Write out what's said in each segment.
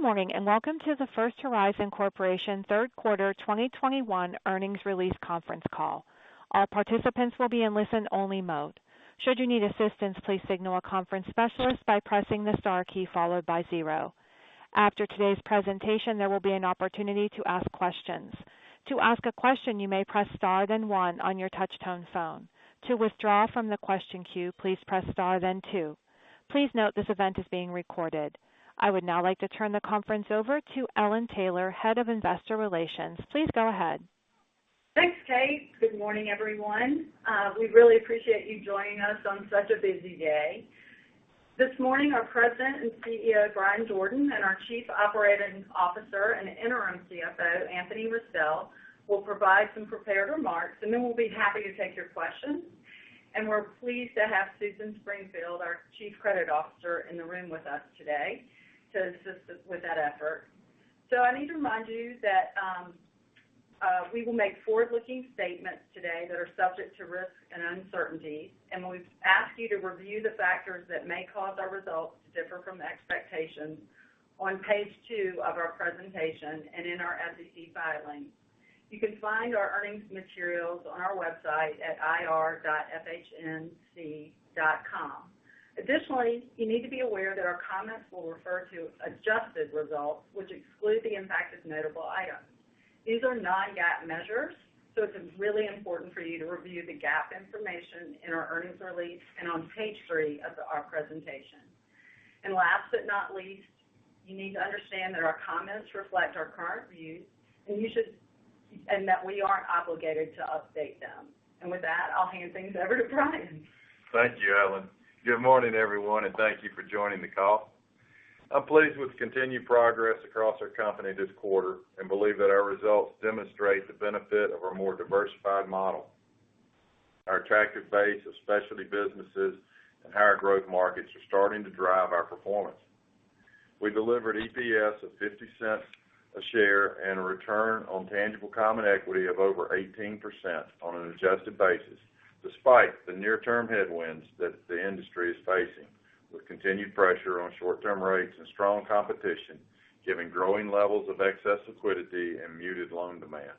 Good morning, and welcome to the First Horizon Corporation third quarter 2021 earnings release conference call. All participants will be in listen-only mode. Should you need assistance please signal our conference specialist by pressing star key followed by zero. After today's presentation, there will be an opportunity to ask questions. To ask a question you may press star then one, to withdraw your question press star then two. Please note this event is being recorded. I would now like to turn the conference over to Ellen Taylor, Head of Investor Relations. Please go ahead. Thanks, Kate. Good morning, everyone. We really appreciate you joining us on such a busy day. This morning, our President and CEO, Bryan Jordan, and our Chief Operating Officer and Interim CFO, Anthony Restel, will provide some prepared remarks, and then we'll be happy to take your questions. We're pleased to have Susan Springfield, our Chief Credit Officer, in the room with us today to assist us with that effort. I need to remind you that we will make forward-looking statements today that are subject to risks and uncertainties, and we ask you to review the factors that may cause our results to differ from expectations on page two of our presentation and in our SEC filings. You can find our earnings materials on our website at ir.firsthorizon.com. You need to be aware that our comments will refer to adjusted results, which exclude the impact of notable items. These are non-GAAP measures, it's really important for you to review the GAAP information in our earnings release and on page three of our presentation. Last but not least, you need to understand that our comments reflect our current views, and that we aren't obligated to update them. With that, I'll hand things over to Bryan. Thank you, Ellen. Good morning, everyone. Thank you for joining the call. I'm pleased with the continued progress across our company this quarter and believe that our results demonstrate the benefit of our more diversified model. Our attractive base of specialty businesses and higher growth markets are starting to drive our performance. We delivered EPS of $0.50 a share and a return on tangible common equity of over 18% on an adjusted basis, despite the near-term headwinds that the industry is facing, with continued pressure on short-term rates and strong competition, given growing levels of excess liquidity and muted loan demand.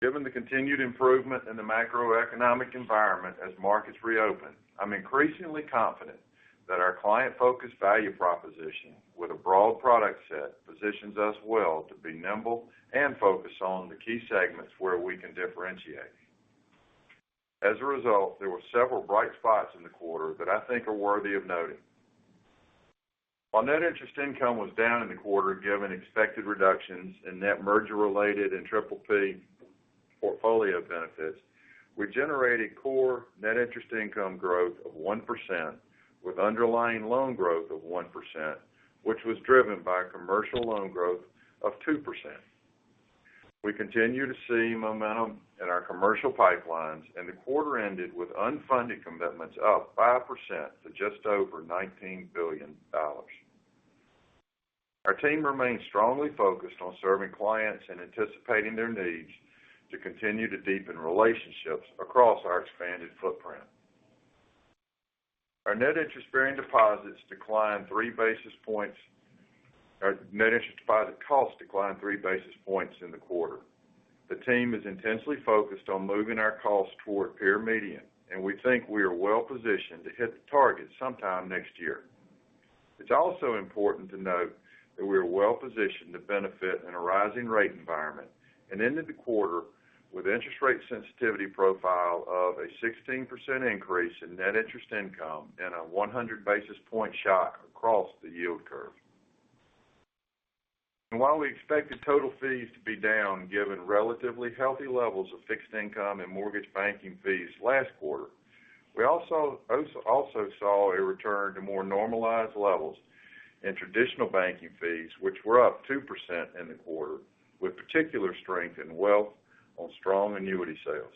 Given the continued improvement in the macroeconomic environment as markets reopen, I'm increasingly confident that our client-focused value proposition with a broad product set positions us well to be nimble and focused on the key segments where we can differentiate. As a result, there were several bright spots in the quarter that I think are worthy of noting. While net interest income was down in the quarter, given expected reductions in net merger-related and PPP portfolio benefits, we generated core net interest income growth of 1% with underlying loan growth of 1%, which was driven by commercial loan growth of 2%. We continue to see momentum in our commercial pipelines, and the quarter ended with unfunded commitments up 5% to just over $19 billion. Our team remains strongly focused on serving clients and anticipating their needs to continue to deepen relationships across our expanded footprint. Our net interest-bearing deposits cost declined 3 basis points in the quarter. The team is intensely focused on moving our costs toward peer median, and we think we are well positioned to hit the target sometime next year. It's also important to note that we are well positioned to benefit in a rising rate environment and ended the quarter with interest rate sensitivity profile of a 16% increase in net interest income and a 100 basis point shock across the yield curve. While we expected total fees to be down, given relatively healthy levels of fixed income and mortgage banking fees last quarter, we also saw a return to more normalized levels in traditional banking fees, which were up 2% in the quarter, with particular strength in wealth on strong annuity sales.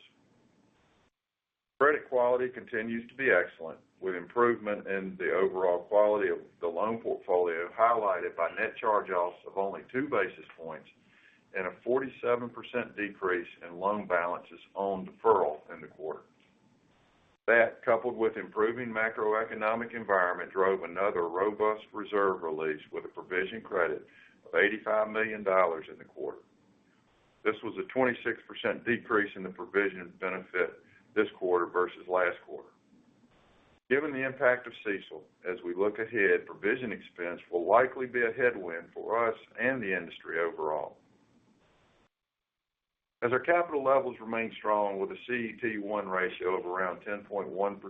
Credit quality continues to be excellent, with improvement in the overall quality of the loan portfolio highlighted by net charge-offs of only 2 basis points and a 47% decrease in loan balances on deferral in the quarter. That, coupled with improving macroeconomic environment, drove another robust reserve release with a provision credit of $85 million in the quarter. This was a 26% decrease in the provision benefit this quarter versus last quarter. Given the impact of CECL as we look ahead, provision expense will likely be a headwind for us and the industry overall. As our capital levels remain strong with a CET1 ratio of around 10.1%,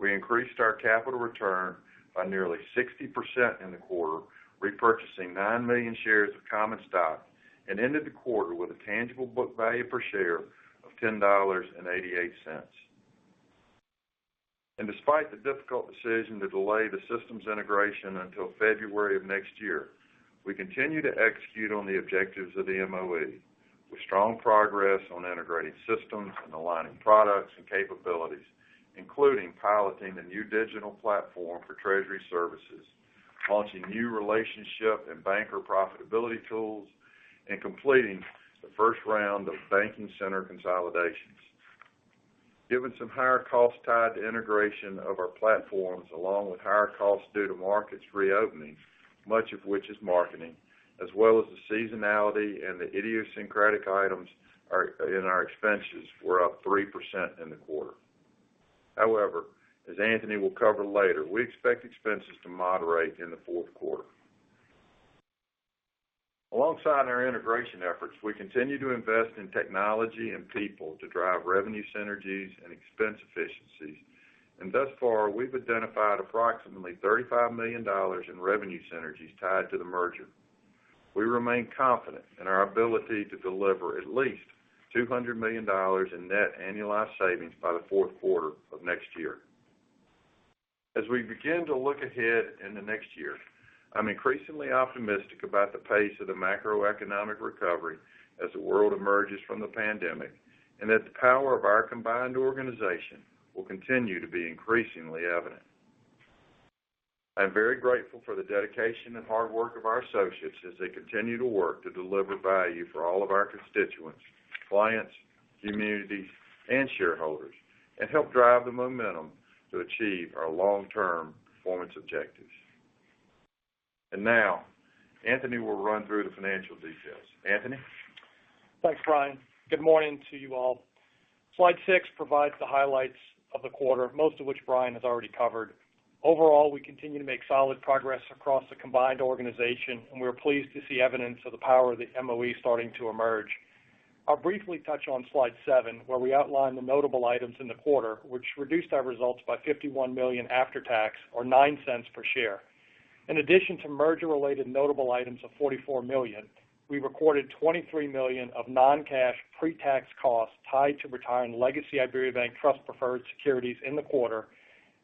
we increased our capital return by nearly 60% in the quarter, repurchasing 9 million shares of common stock, and ended the quarter with a tangible book value per share of $10.88. Despite the difficult decision to delay the systems integration until February of next year, we continue to execute on the objectives of the MOE with strong progress on integrating systems and aligning products and capabilities, including piloting the new digital platform for treasury services, launching new relationship and banker profitability tools, and completing the first round of banking center consolidations. Given some higher costs tied to integration of our platforms, along with higher costs due to markets reopening, much of which is marketing, as well as the seasonality and the idiosyncratic items in our expenses were up 3% in the quarter. However, as Anthony will cover later, we expect expenses to moderate in the fourth quarter. Alongside our integration efforts, we continue to invest in technology and people to drive revenue synergies and expense efficiencies. Thus far, we've identified approximately $35 million in revenue synergies tied to the merger. We remain confident in our ability to deliver at least $200 million in net annualized savings by the fourth quarter of next year. As we begin to look ahead in the next year, I'm increasingly optimistic about the pace of the macroeconomic recovery as the world emerges from the pandemic, and that the power of our combined organization will continue to be increasingly evident. I'm very grateful for the dedication and hard work of our associates as they continue to work to deliver value for all of our constituents, clients, communities, and shareholders, and help drive the momentum to achieve our long-term performance objectives. Now, Anthony will run through the financial details. Anthony? Thanks, Bryan. Good morning to you all. Slide six provides the highlights of the quarter, most of which Bryan has already covered. Overall, we continue to make solid progress across the combined organization, and we're pleased to see evidence of the power of the MOE starting to emerge. I'll briefly touch on slide seven, where we outline the notable items in the quarter, which reduced our results by $51 million after tax, or $0.09 per share. In addition to merger-related notable items of $44 million, we recorded $23 million of non-cash pre-tax costs tied to retiring legacy IberiaBank trust preferred securities in the quarter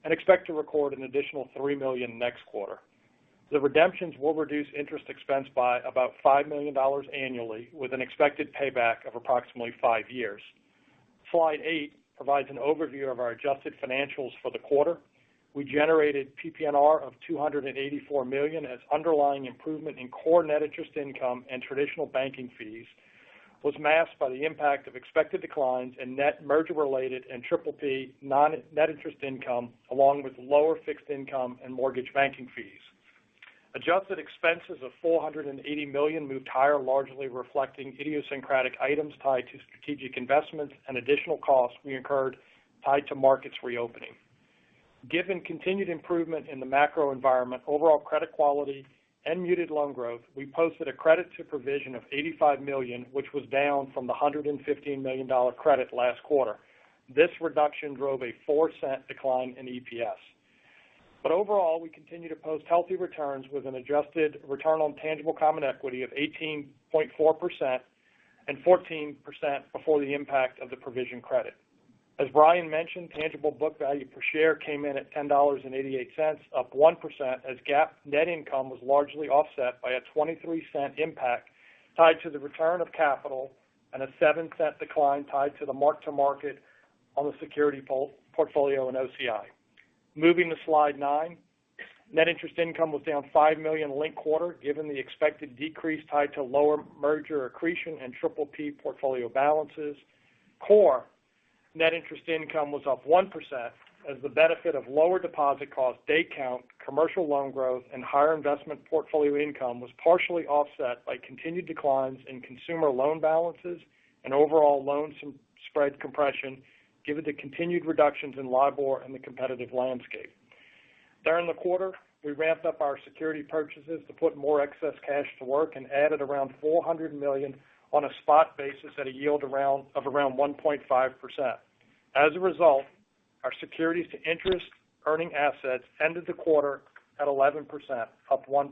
and expect to record an additional $3 million next quarter. The redemptions will reduce interest expense by about $5 million annually, with an expected payback of approximately five years. Slide eight provides an overview of our adjusted financials for the quarter. We generated PPNR of $284 million as underlying improvement in core net interest income and traditional banking fees was masked by the impact of expected declines in net merger-related and PPP net interest income, along with lower fixed income and mortgage banking fees. Adjusted expenses of $480 million moved higher, largely reflecting idiosyncratic items tied to strategic investments and additional costs we incurred tied to markets reopening. Given continued improvement in the macro environment, overall credit quality, and muted loan growth, we posted a credit to provision of $85 million, which was down from the $115 million credit last quarter. This reduction drove a $0.04 decline in EPS. Overall, we continue to post healthy returns with an adjusted return on tangible common equity of 18.4% and 14% before the impact of the provision credit. As Bryan mentioned, tangible book value per share came in at $10.88, up 1% as GAAP net income was largely offset by a $0.23 impact tied to the return of capital and a $0.07 decline tied to the mark-to-market on the security portfolio in OCI. Moving to slide nine. Net interest income was down $5 million linked quarter, given the expected decrease tied to lower merger accretion and PPP portfolio balances. Core net interest income was up 1% as the benefit of lower deposit costs, day count, commercial loan growth, and higher investment portfolio income was partially offset by continued declines in consumer loan balances and overall loan spread compression given the continued reductions in LIBOR and the competitive landscape. During the quarter, we ramped up our security purchases to put more excess cash to work and added around $400 million on a spot basis at a yield of around 1.5%. As a result, our securities to interest-earning assets ended the quarter at 11%, up 1%.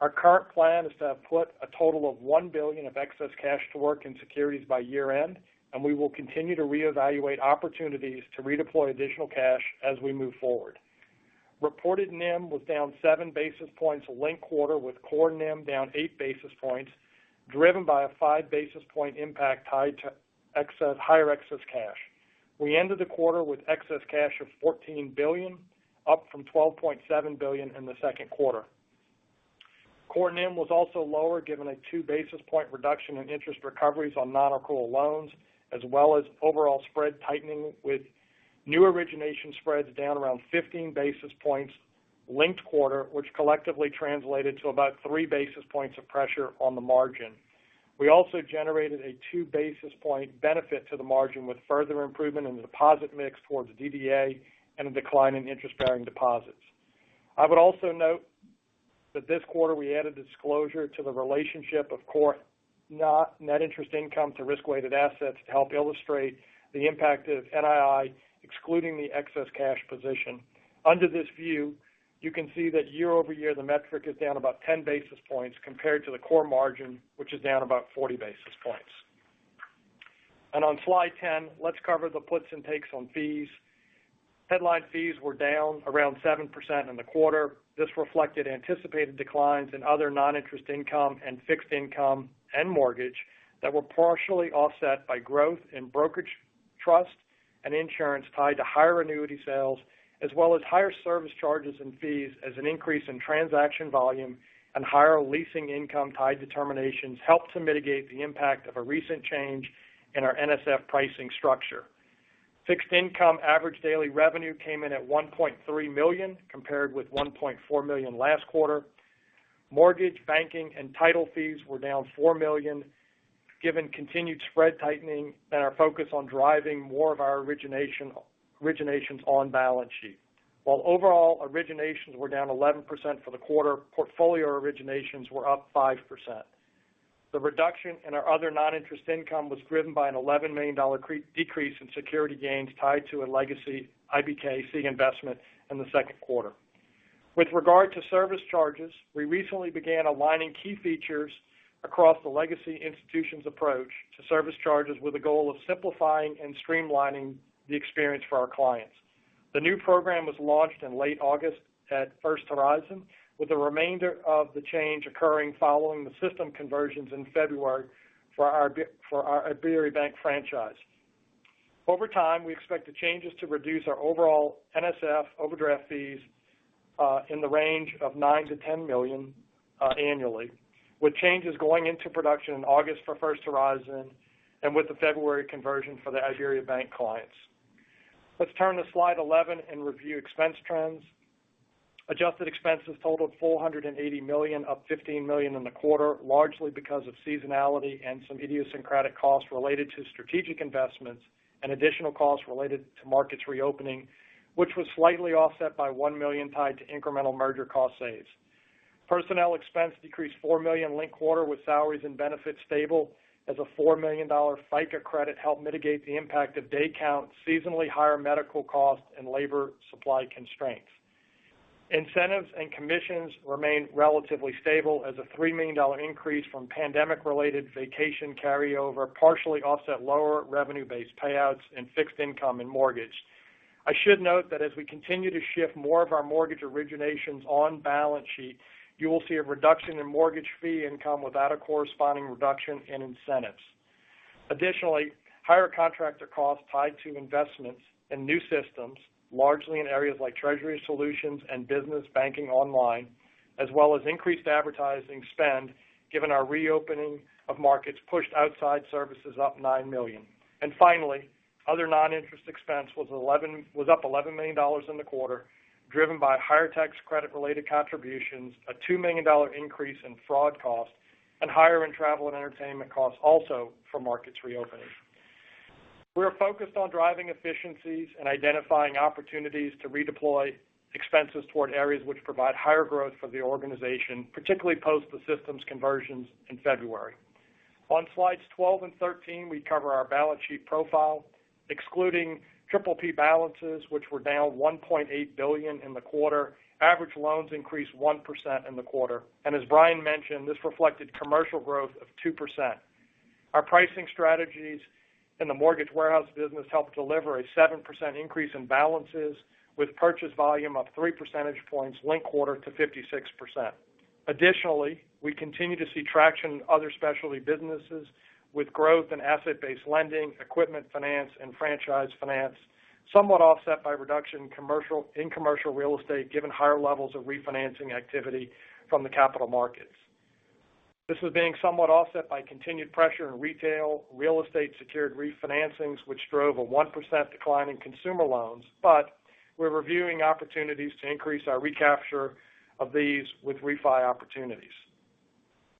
Our current plan is to have put a total of $1 billion of excess cash to work in securities by year-end, and we will continue to reevaluate opportunities to redeploy additional cash as we move forward. Reported NIM was down 7 basis points linked quarter, with core NIM down 8 basis points, driven by a 5 basis point impact tied to higher excess cash. We ended the quarter with excess cash of $14 billion, up from $12.7 billion in the second quarter. Core NIM was also lower given a 2 basis point reduction in interest recoveries on non-accrual loans, as well as overall spread tightening with new origination spreads down around 15 basis points linked quarter, which collectively translated to about 3 basis points of pressure on the margin. We also generated a 2 basis point benefit to the margin with further improvement in the deposit mix towards DDA and a decline in interest-bearing deposits. I would also note that this quarter we added disclosure to the relationship of core net interest income to risk-weighted assets to help illustrate the impact of NII, excluding the excess cash position. Under this view, you can see that year-over-year, the metric is down about 10 basis points compared to the core margin, which is down about 40 basis points. On slide 10, let's cover the puts and takes on fees. Headline fees were down around 7% in the quarter. This reflected anticipated declines in other non-interest income and fixed income and mortgage that were partially offset by growth in brokerage trust and insurance tied to higher annuity sales, as well as higher service charges and fees as an increase in transaction volume and higher leasing income tied determinations helped to mitigate the impact of a recent change in our NSF pricing structure. Fixed income average daily revenue came in at $1.3 million, compared with $1.4 million last quarter. Mortgage banking and title fees were down $4 million, given continued spread tightening and our focus on driving more of our originations on balance sheet. While overall originations were down 11% for the quarter, portfolio originations were up 5%. The reduction in our other non-interest income was driven by an $11 million decrease in security gains tied to a legacy IBKC investment in the second quarter. With regard to service charges, we recently began aligning key features across the legacy institutions approach to service charges with a goal of simplifying and streamlining the experience for our clients. The new program was launched in late August at First Horizon, with the remainder of the change occurring following the system conversions in February for our IberiaBank franchise. Over time, we expect the changes to reduce our overall NSF overdraft fees in the range of $9 million-$10 million annually, with changes going into production in August for First Horizon and with the February conversion for the IberiaBank clients. Let's turn to slide 11 and review expense trends. Adjusted expenses totaled $480 million, up $15 million in the quarter, largely because of seasonality and some idiosyncratic costs related to strategic investments and additional costs related to markets reopening, which was slightly offset by $1 million tied to incremental merger cost saves. Personnel expense decreased $4 million linked quarter, with salaries and benefits stable as a $4 million FICA credit helped mitigate the impact of day count, seasonally higher medical costs, and labor supply constraints. Incentives and commissions remained relatively stable as a $3 million increase from pandemic-related vacation carryover partially offset lower revenue-based payouts in fixed income and mortgage. I should note that as we continue to shift more of our mortgage originations on balance sheet, you will see a reduction in mortgage fee income without a corresponding reduction in incentives. Additionally, higher contractor costs tied II investments in new systems, largely in areas like treasury solutions and business banking online, as well as increased advertising spend, given our reopening of markets pushed outside services up $9 million. Finally, other non-interest expense was up $11 million in the quarter, driven by higher tax credit-related contributions, a $2 million increase in fraud costs, and higher end travel and entertainment costs also from markets reopening. We're focused on driving efficiencies and identifying opportunities to redeploy expenses toward areas which provide higher growth for the organization, particularly post the systems conversions in February. On slides 12 and 13, we cover our balance sheet profile. Excluding PPP balances, which were down $1.8 billion in the quarter, average loans increased 1% in the quarter. As Bryan mentioned, this reflected commercial growth of 2%. Our pricing strategies in the mortgage warehouse business helped deliver a 7% increase in balances with purchase volume up three percentage points linked quarter to 56%. Additionally, we continue to see traction in other specialty businesses with growth in asset-based lending, equipment finance, and franchise finance, somewhat offset by reduction in commercial real estate, given higher levels of refinancing activity from the capital markets. This was being somewhat offset by continued pressure in retail, real estate secured refinancings, which drove a 1% decline in consumer loans, but we're reviewing opportunities to increase our recapture of these with refi opportunities.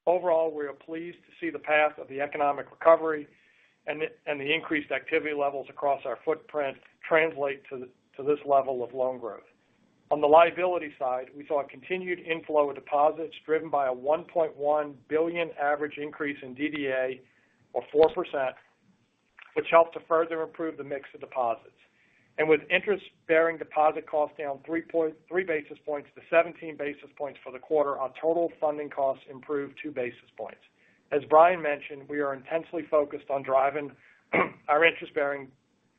Overall, we are pleased to see the path of the economic recovery and the increased activity levels across our footprint translate to this level of loan growth. On the liability side, we saw a continued inflow of deposits driven by a $1.1 billion average increase in DDA or 4%, which helped to further improve the mix of deposits. With interest-bearing deposit costs down 3 basis points to 17 basis points for the quarter, our total funding costs improved 2 basis points. As Bryan mentioned, we are intensely focused on driving our interest-bearing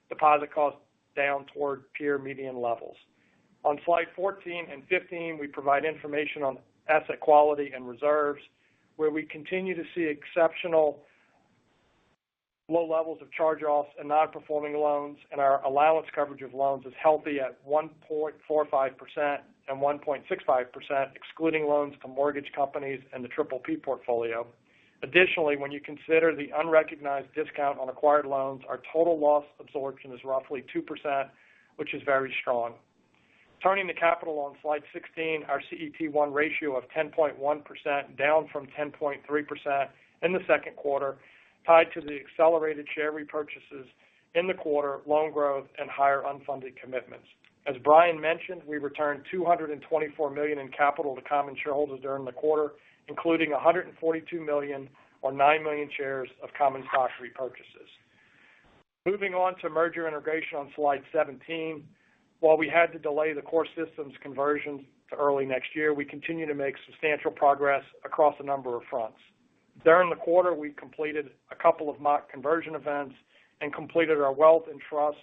deposit costs down toward peer median levels. On slide 14 and 15, we provide information on asset quality and reserves, where we continue to see exceptional low levels of charge-offs and non-performing loans, and our allowance coverage of loans is healthy at 1.45% and 1.65%, excluding loans to mortgage companies and the PPP portfolio. Additionally, when you consider the unrecognized discount on acquired loans, our total loss absorption is roughly 2%, which is very strong. Turning to capital on slide 16, our CET1 ratio of 10.1% down from 10.3% in the second quarter, tied to the accelerated share repurchases in the quarter, loan growth, and higher unfunded commitments. As Bryan mentioned, we returned $224 million in capital to common shareholders during the quarter, including $142 million or 9 million shares of common stock repurchases. Moving on to merger integration on slide 17. While we had to delay the core systems conversion to early next year, we continue to make substantial progress across a number of fronts. During the quarter, we completed a couple of mock conversion events and completed our wealth and trust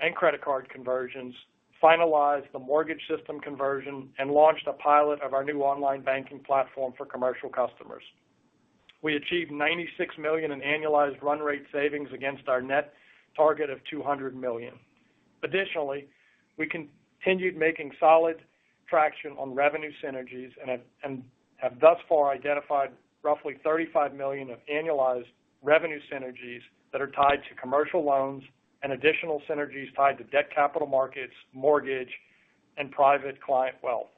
and credit card conversions, finalized the mortgage system conversion, and launched a pilot of our new online banking platform for commercial customers. We achieved $96 million in annualized run rate savings against our net target of $200 million. Additionally, we continued making solid traction on revenue synergies and have thus far identified roughly $35 million of annualized revenue synergies that are tied to commercial loans and additional synergies tied to debt capital markets, mortgage, and private client wealth.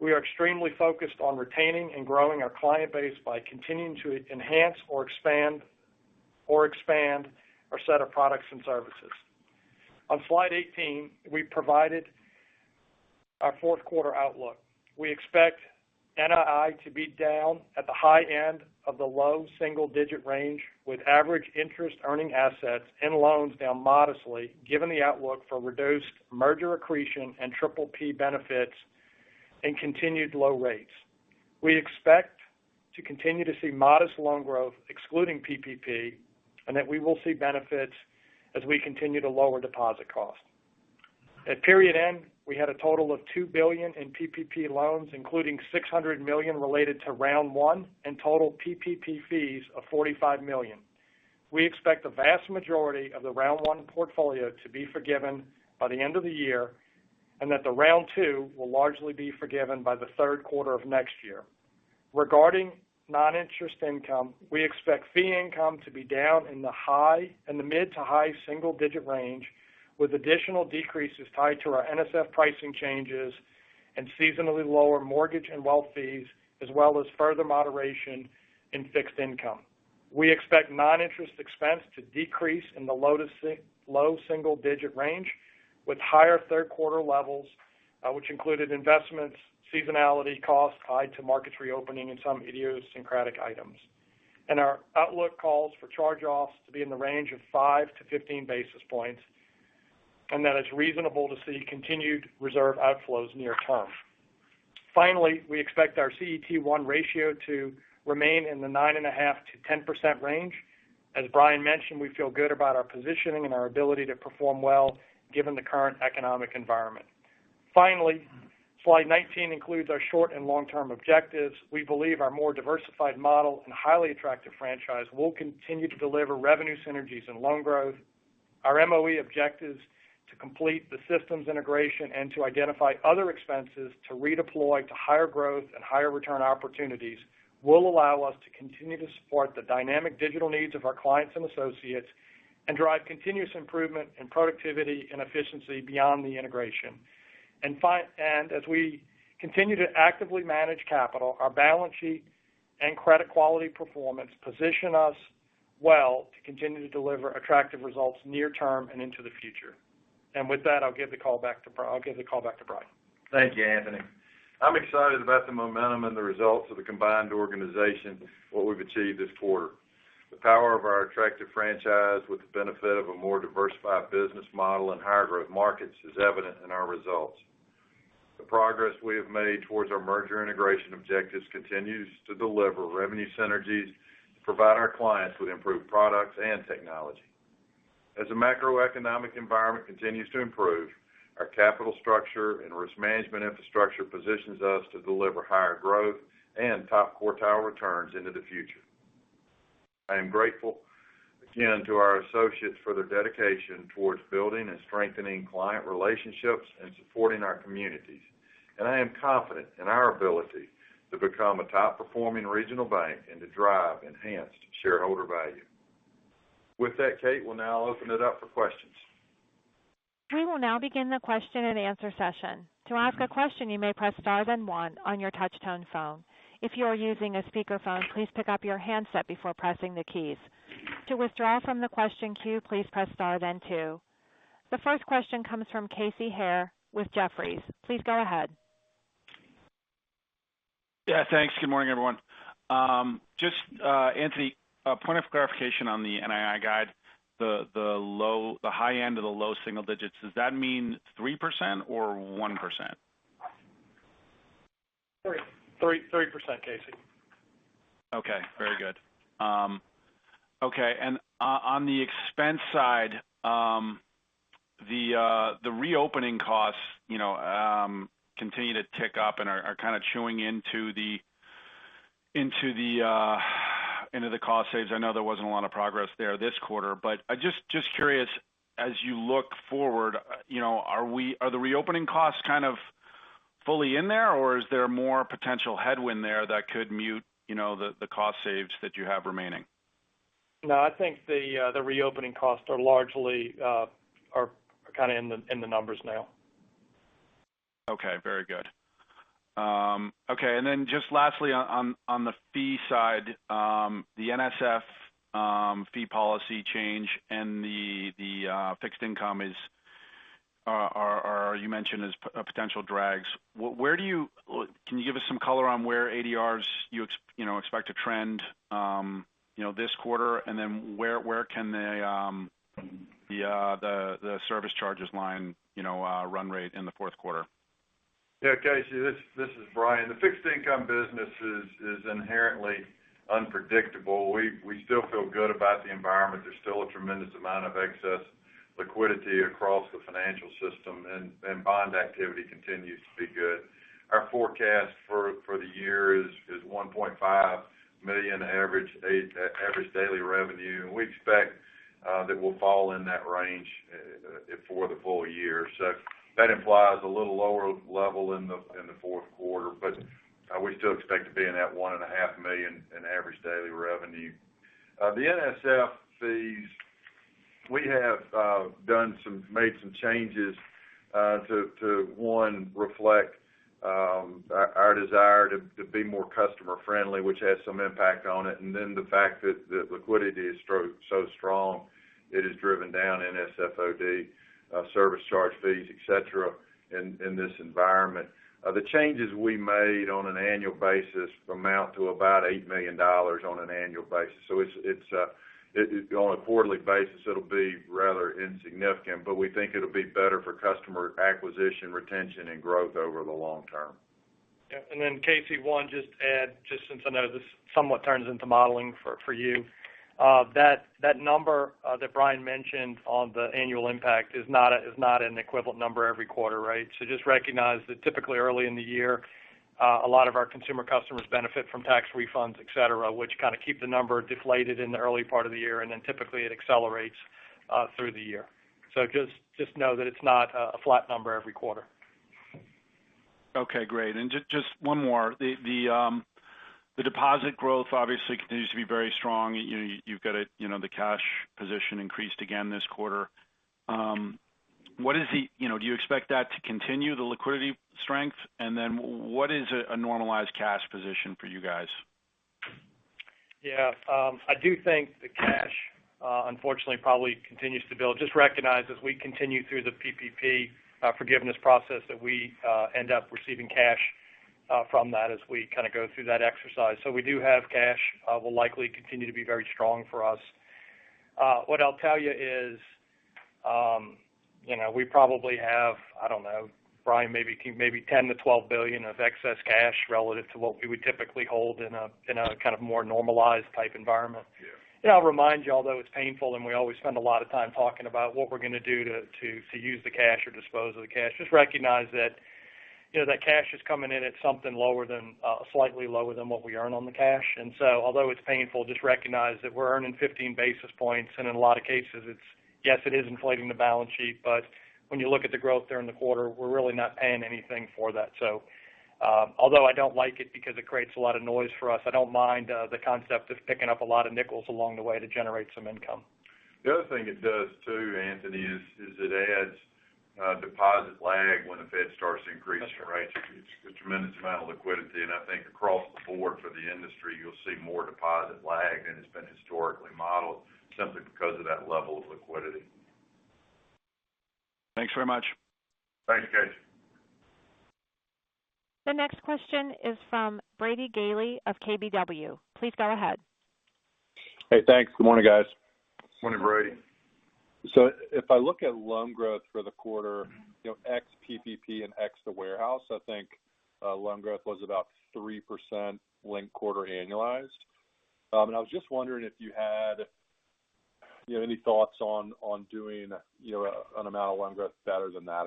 We are extremely focused on retaining and growing our client base by continuing to enhance or expand our set of products and services. On slide 18, we provided our fourth quarter outlook. We expect NII to be down at the high end of the low single-digit range, with average interest-earning assets and loans down modestly, given the outlook for reduced merger accretion and PPP benefits and continued low rates. We expect to continue to see modest loan growth, excluding PPP, and that we will see benefits as we continue to lower deposit costs. At period end, we had a total of $2 billion in PPP loans, including $600 million related to round one and total PPP fees of $45 million. We expect the vast majority of the round one portfolio to be forgiven by the end of the year, and that the round two will largely be forgiven by the third quarter of next year. Regarding non-interest income, we expect fee income to be down in the mid to high single-digit range, with additional decreases tied to our NSF pricing changes and seasonally lower mortgage and wealth fees, as well as further moderation in fixed income. We expect non-interest expense to decrease in the low single-digit range with higher third quarter levels, which included investments, seasonality costs tied to markets reopening, and some idiosyncratic items. Our outlook calls for charge-offs to be in the range of 5-15 basis points, and that it's reasonable to see continued reserve outflows near term. Finally, we expect our CET1 ratio to remain in the 9.5%-10% range. As Bryan mentioned, we feel good about our positioning and our ability to perform well given the current economic environment. Finally, slide 19 includes our short and long-term objectives. We believe our more diversified model and highly attractive franchise will continue to deliver revenue synergies and loan growth. Our MOE objectives to complete the systems integration and to identify other expenses to redeploy to higher growth and higher return opportunities will allow us to continue to support the dynamic digital needs of our clients and associates and drive continuous improvement in productivity and efficiency beyond the integration. As we continue to actively manage capital, our balance sheet and credit quality performance position us well to continue to deliver attractive results near term and into the future. With that, I'll give the call back to Bryan. Thank you, Anthony. I'm excited about the momentum and the results of the combined organization, what we've achieved this quarter. The power of our attractive franchise with the benefit of a more diversified business model and higher growth markets is evident in our results. The progress we have made towards our merger integration objectives continues to deliver revenue synergies to provide our clients with improved products and technology. As the macroeconomic environment continues to improve, our capital structure and risk management infrastructure positions us to deliver higher growth and top quartile returns into the future. I am grateful again to our associates for their dedication towards building and strengthening client relationships and supporting our communities. I am confident in our ability to become a top-performing regional bank and to drive enhanced shareholder value. With that, Kate, we'll now open it up for questions. We will now begin our Q&A session. To ask a question you may press star then one, if you are using a speaker phone please take off you handset before pressing the keys. To withdraw your question press star then two. The first question comes from Casey Haire with Jefferies. Please go ahead. Yeah, thanks. Good morning, everyone. Just, Anthony, a point of clarification on the NII guide, the high end of the low single digits. Does that mean 3% or 1%? 3%. Casey. Okay, very good. On the expense side, the reopening costs continue to tick up and are kind of chewing into the cost saves. I know there wasn't a lot of progress there this quarter, but just curious, as you look forward, are the reopening costs kind of fully in there, or is there more potential headwind there that could mute the cost saves that you have remaining? No, I think the reopening costs are largely in the numbers now. Okay, very good. Just lastly on the fee side, the NSF fee policy change and the fixed income you mentioned as potential drags. Can you give us some color on where ADRs you expect to trend this quarter? Where can the service charges line run rate in the fourth quarter? Yeah, Casey, this is Brian. The fixed income business is inherently unpredictable. We still feel good about the environment. There's still a tremendous amount of excess liquidity across the financial system, and bond activity continues to be good. Our forecast for the year is $1.5 million average daily revenue, and we expect that will fall in that range for the full year. That implies a little lower level in the fourth quarter, but we still expect to be in that $1.5 million in average daily revenue. The NSF fees, we have made some changes to, one, reflect our desire to be more customer-friendly, which has some impact on it. The fact that the liquidity is so strong, it has driven down NSF OD, service charge fees, et cetera, in this environment. The changes we made on an annual basis amount to about $8 million on an annual basis. On a quarterly basis, it'll be rather insignificant, but we think it'll be better for customer acquisition, retention, and growth over the long term. Yeah. Casey, just add since I know this somewhat turns into modeling for you. That number that Bryan mentioned on the annual impact is not an equivalent number every quarter, right? Just recognize that typically early in the year, a lot of our consumer customers benefit from tax refunds, et cetera, which kind of keep the number deflated in the early part of the year, and then typically it accelerates through the year. Just know that it's not a flat number every quarter. Okay, great. Just one more. The deposit growth obviously continues to be very strong. You've got the cash position increased again this quarter. Do you expect that to continue, the liquidity strength? What is a normalized cash position for you guys? Yeah. I do think the cash, unfortunately, probably continues to build. Just recognize as we continue through the PPP forgiveness process, that we end up receiving cash from that as we kind of go through that exercise. We do have cash, will likely continue to be very strong for us. What I'll tell you is, we probably have, I don't know, Bryan, maybe $10 billion-$12 billion of excess cash relative to what we would typically hold in a kind of more normalized type environment. Yeah. I'll remind you all, though, it's painful, and we always spend a lot of time talking about what we're going to do to use the cash or dispose of the cash. Just recognize that cash is coming in at something slightly lower than what we earn on the cash. Although it's painful, just recognize that we're earning 15 basis points, and in a lot of cases, yes, it is inflating the balance sheet, but when you look at the growth there in the quarter, we're really not paying anything for that. Although I don't like it because it creates a lot of noise for us, I don't mind the concept of picking up a lot of nickels along the way to generate some income. The other thing it does too, Anthony, is it adds deposit lag when the Fed starts increasing rates. That's right. It's a tremendous amount of liquidity, and I think across the board for the industry, you'll see more deposit lag than has been historically modeled simply because of that level of liquidity. Thanks very much. Thanks, guys. The next question is from Brady Gailey of KBW. Please go ahead. Hey, thanks. Good morning, guys. Morning, Brady. If I look at loan growth for the quarter, ex PPP and ex the warehouse, I think loan growth was about 3% linked quarter annualized. I was just wondering if you had any thoughts on doing an amount of loan growth better than that.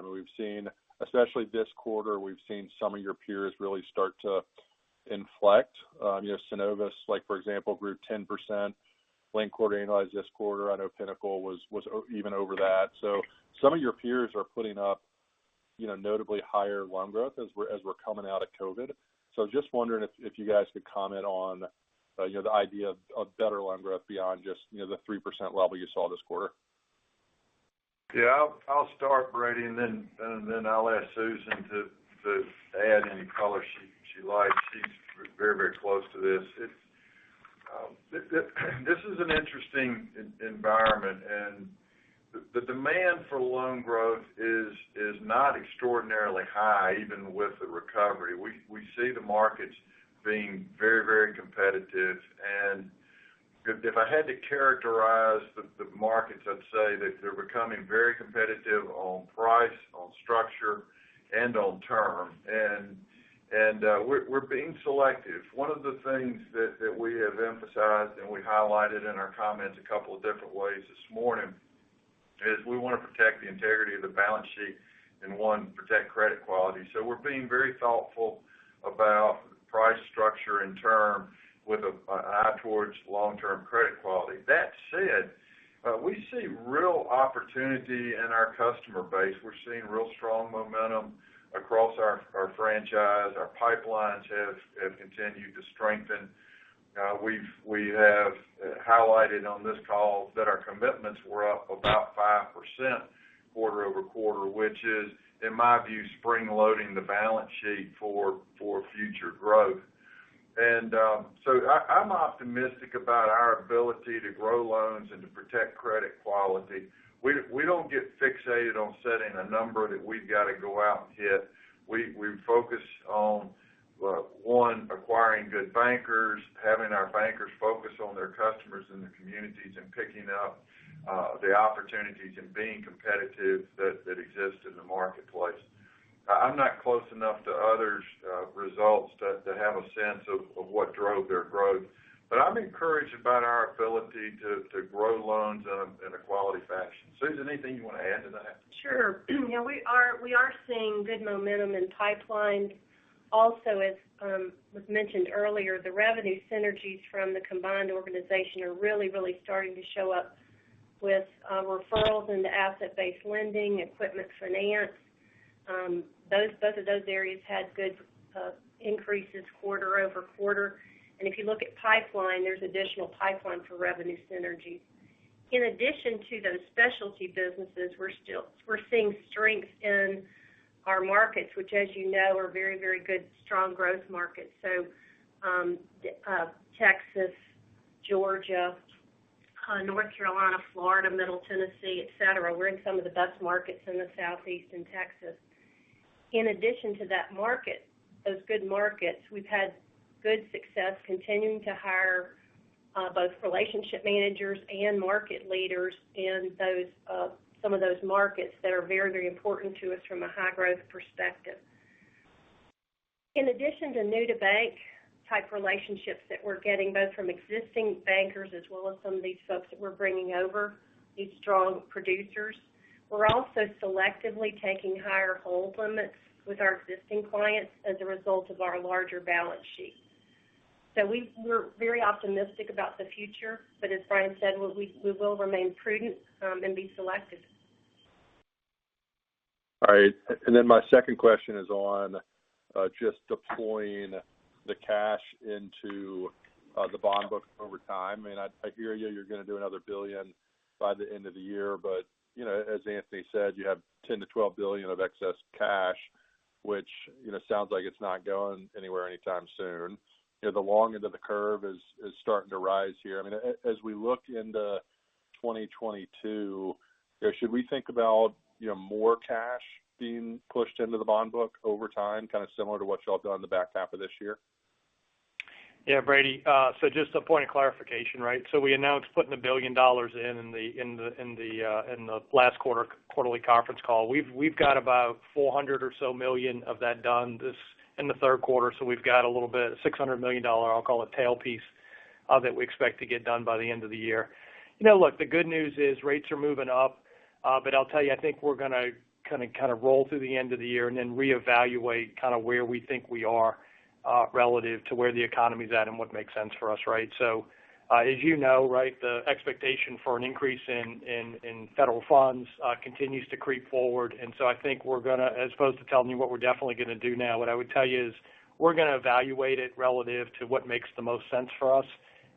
Especially this quarter, we've seen some of your peers really start to inflect. Synovus, for example, grew 10% linked quarter annualized this quarter. I know Pinnacle was even over that. Some of your peers are putting up notably higher loan growth as we're coming out of COVID. Just wondering if you guys could comment on the idea of better loan growth beyond just the 3% level you saw this quarter. Yeah. I'll start, Brady, and then I'll ask Susan to add any color she likes. She's very close to this. This is an interesting environment, and the demand for loan growth is not extraordinarily high, even with the recovery. We see the markets being very competitive, and if I had to characterize the markets, I'd say that they're becoming very competitive on price, on structure, and on term. We're being selective. One of the things that we have emphasized, and we highlighted in our comments a couple of different ways this morning, is we want to protect the integrity of the balance sheet and, one, protect credit quality. We're being very thoughtful about price structure and term with an eye towards long-term credit quality. That said, we see real opportunity in our customer base. We're seeing real strong momentum across our franchise. Our pipelines have continued to strengthen. We have highlighted on this call that our commitments were up about 5% quarter-over-quarter, which is, in my view, spring-loading the balance sheet for future growth. I'm optimistic about our ability to grow loans and to protect credit quality. We don't get fixated on setting a number that we've got to go out and hit. We focus on, one, acquiring good bankers, having our bankers focus on their customers and their communities, and picking up the opportunities and being competitive that exist in the marketplace. I'm not close enough to others' results to have a sense of what drove their growth, but I'm encouraged about our ability to grow loans in a quality fashion. Susan, anything you want to add to that? Sure. We are seeing good momentum in pipeline. As was mentioned earlier, the revenue synergies from the combined organization are really, really starting to show up with referrals into asset-based lending, equipment finance. Both of those areas had good increases quarter-over-quarter. If you look at pipeline, there's additional pipeline for revenue synergies. In addition to those specialty businesses, we're seeing strength in our markets, which as you know, are very, very good, strong growth markets. Texas, Georgia, North Carolina, Florida, middle Tennessee, et cetera. We're in some of the best markets in the Southeast and Texas. In addition to that market, those good markets, we've had good success continuing to hire both relationship managers and market leaders in some of those markets that are very, very important to us from a high growth perspective. In addition to new-to-bank type relationships that we're getting, both from existing bankers as well as some of these folks that we're bringing over, these strong producers, we're also selectively taking higher hold limits with our existing clients as a result of our larger balance sheet. We're very optimistic about the future, but as Bryan said, we will remain prudent and be selective. All right. Then my second question is on just deploying the cash into the bond book over time. I hear you're going to do another $1 billion by the end of the year. As Anthony Restel said, you have $10 billion-$12 billion of excess cash, which sounds like it's not going anywhere anytime soon. The long end of the curve is starting to rise here. As we look into 2022, should we think about more cash being pushed into the bond book over time, kind of similar to what you all have done the back half of this year? Yeah, Brady. Just a point of clarification, right? We announced putting $1 billion in the last quarter quarterly conference call. We've got about $400 million or so of that done in the third quarter. We've got a little bit, $600 million, I'll call it, tail piece of it, we expect to get done by the end of the year. Look, the good news is rates are moving up. I'll tell you, I think we're going to kind of roll through the end of the year and then reevaluate where we think we are relative to where the economy's at and what makes sense for us, right? As you know, right, the expectation for an increase in federal funds continues to creep forward. I think we're going to, as opposed to telling you what we're definitely going to do now, what I would tell you is, we're going to evaluate it relative to what makes the most sense for us.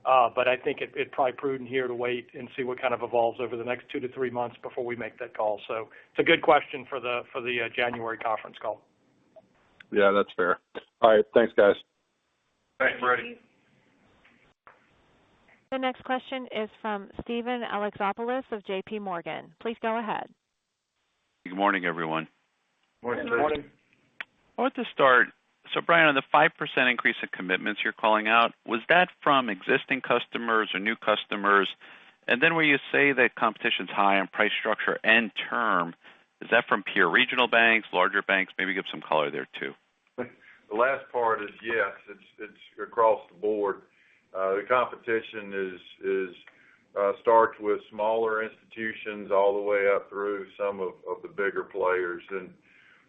I think it probably prudent here to wait and see what kind of evolves over the next 2-3 months before we make that call. It's a good question for the January conference call. Yeah, that's fair. All right. Thanks, guys. Thanks, Brady. Thank you. The next question is from Steven Alexopoulos of J.P. Morgan. Please go ahead. Good morning, everyone. Morning. Morning. I wanted to start, so Brian, on the 5% increase in commitments you're calling out, was that from existing customers or new customers? Then where you say that competition's high on price, structure, and term, is that from pure regional banks, larger banks? Maybe give some color there, too. The last part is yes. It's across the board. The competition starts with smaller institutions all the way up through some of the bigger players.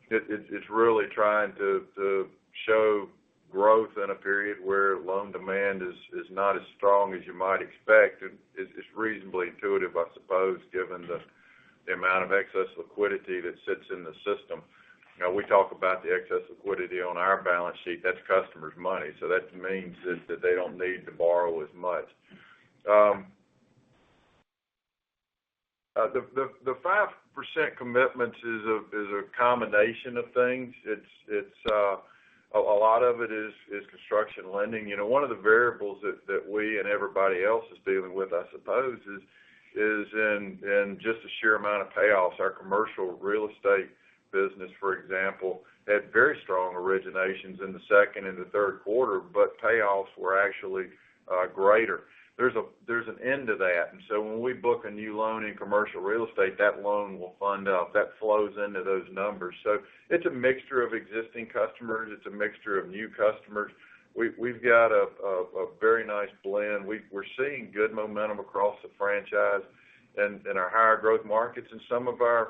It's really trying to show growth in a period where loan demand is not as strong as you might expect. It's reasonably intuitive, I suppose, given the amount of excess liquidity that sits in the system. We talk about the excess liquidity on our balance sheet, that's customers' money. That means that they don't need to borrow as much. The 5% commitment is a combination of things. A lot of it is construction lending. One of the variables that we and everybody else is dealing with, I suppose, is in just the sheer amount of payoffs. Our commercial real estate business, for example, had very strong originations in the second and the third quarter, but payoffs were actually greater. There's an end to that. When we book a new loan in commercial real estate, that loan will fund out. That flows into those numbers. It's a mixture of existing customers. It's a mixture of new customers. We've got a very nice blend. We're seeing good momentum across the franchise in our higher growth markets and some of our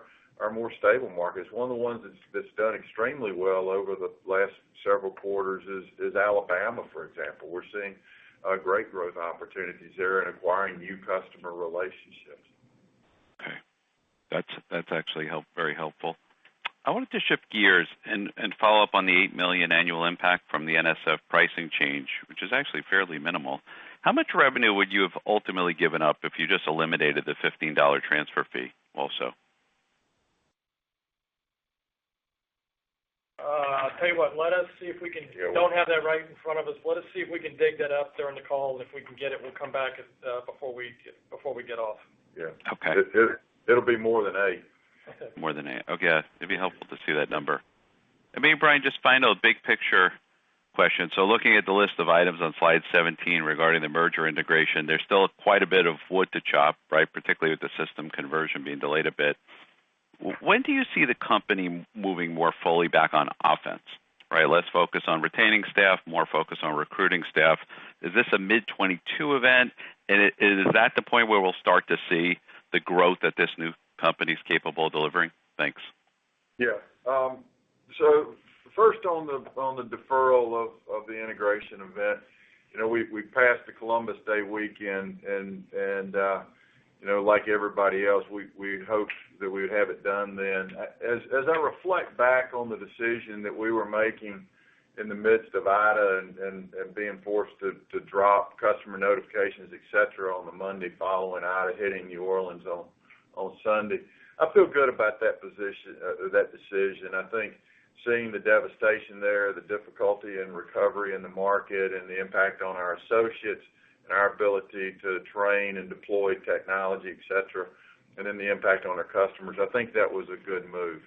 more stable markets. One of the ones that's done extremely well over the last several quarters is Alabama, for example. We're seeing great growth opportunities there in acquiring new customer relationships. Okay. That's actually very helpful. I wanted to shift gears and follow up on the $8 million annual impact from the NSF pricing change, which is actually fairly minimal. How much revenue would you have ultimately given up if you just eliminated the $15 transfer fee also? I'll tell you what, we don't have that right in front of us. Let us see if we can dig that up during the call, and if we can get it, we'll come back before we get off. Yeah. Okay. It'll be more than eight. More than eight. Okay. It'd be helpful to see that number. Maybe, Bryan, just final big picture question. Looking at the list of items on slide 17 regarding the merger integration, there's still quite a bit of wood to chop, right? Particularly with the system conversion being delayed a bit. When do you see the company moving more fully back on offense? Right? Less focus on retaining staff, more focus on recruiting staff. Is this a mid 2022 event? Is that the point where we'll start to see the growth that this new company's capable of delivering? Thanks. Yeah. First, on the deferral of the integration event. We passed the Columbus Day weekend and like everybody else, we hoped that we would have it done then. As I reflect back on the decision that we were making in the midst of Ida and being forced to drop customer notifications, et cetera, on the Monday following Ida hitting New Orleans on Sunday, I feel good about that decision. I think seeing the devastation there, the difficulty in recovery in the market, and the impact on our associates and our ability to train and deploy technology, et cetera, and then the impact on our customers, I think that was a good move.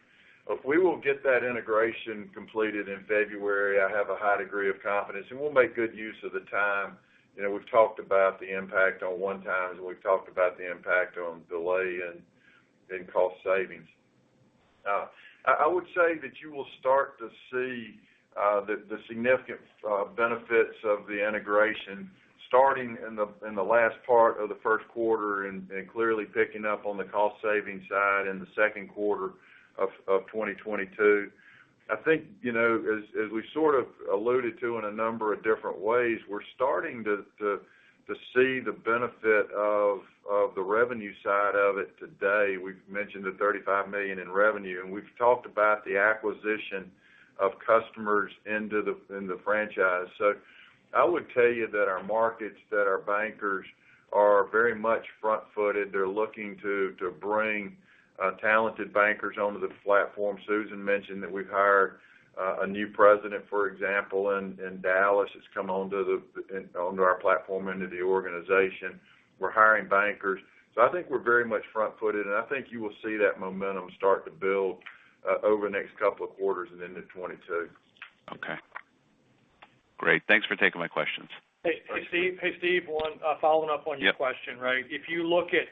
We will get that integration completed in February. I have a high degree of confidence. We'll make good use of the time. We've talked about the impact on one-times, and we've talked about the impact on delay and cost savings. I would say that you will start to see the significant benefits of the integration starting in the last part of the first quarter and clearly picking up on the cost-saving side in the second quarter of 2022. I think, as we sort of alluded to in a number of different ways, we're starting to see the benefit of the revenue side of it today. We've mentioned the $35 million in revenue, and we've talked about the acquisition of customers in the franchise. I would tell you that our markets, that our bankers are very much front-footed. They're looking to bring talented bankers onto the platform. Susan mentioned that we've hired a new president, for example, in Dallas, that's come onto our platform, into the organization. We're hiring bankers. I think we're very much front-footed, and I think you will see that momentum start to build over the next couple of quarters and into 2022. Okay. Great. Thanks for taking my questions. Hey, Steve, one, following up on your question, right? Yep. If you look at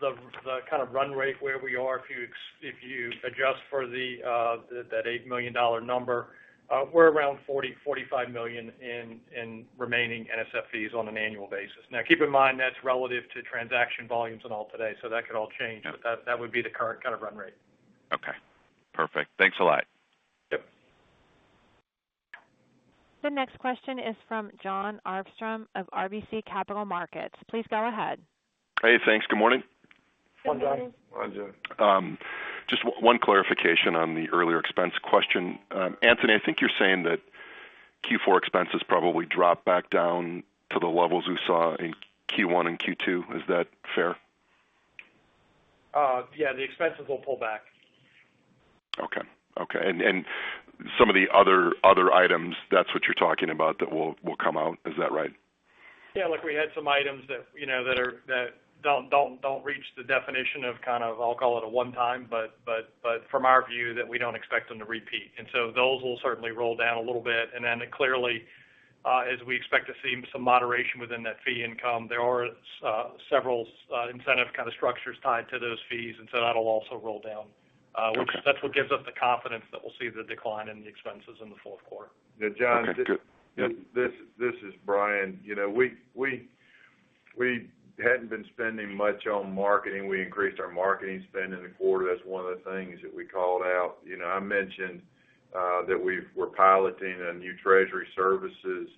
the kind of run rate where we are, if you adjust for that $8 million number, we're around $40 million-$45 million in remaining NSF fees on an annual basis. Now, keep in mind, that's relative to transaction volumes and all today, so that could all change. Yep. That would be the current kind of run rate. Okay, perfect. Thanks a lot. Yep. The next question is from Jon Arfstrom of RBC Capital Markets. Please go ahead. Hey, thanks. Good morning. Good morning. Good morning. Good morning. Just one clarification on the earlier expense question. Anthony, I think you're saying that Q4 expenses probably drop back down to the levels we saw in Q1 and Q2. Is that fair? Yeah, the expenses will pull back. Okay. Okay. Some of the other items, that's what you're talking about that will come out. Is that right? Yeah, look, we had some items that don't reach the definition of kind of, I'll call it a one-time, but from our view that we don't expect them to repeat. Those will certainly roll down a little bit. Clearly, as we expect to see some moderation within that fee income, there are several incentive kind of structures tied to those fees. That'll also roll down. Okay. That's what gives us the confidence that we'll see the decline in the expenses in the fourth quarter. Okay, good. Yep. Jon, this is Bryan. We hadn't been spending much on marketing. We increased our marketing spend in the quarter. That's one of the things that we called out. I mentioned that we're piloting a new treasury services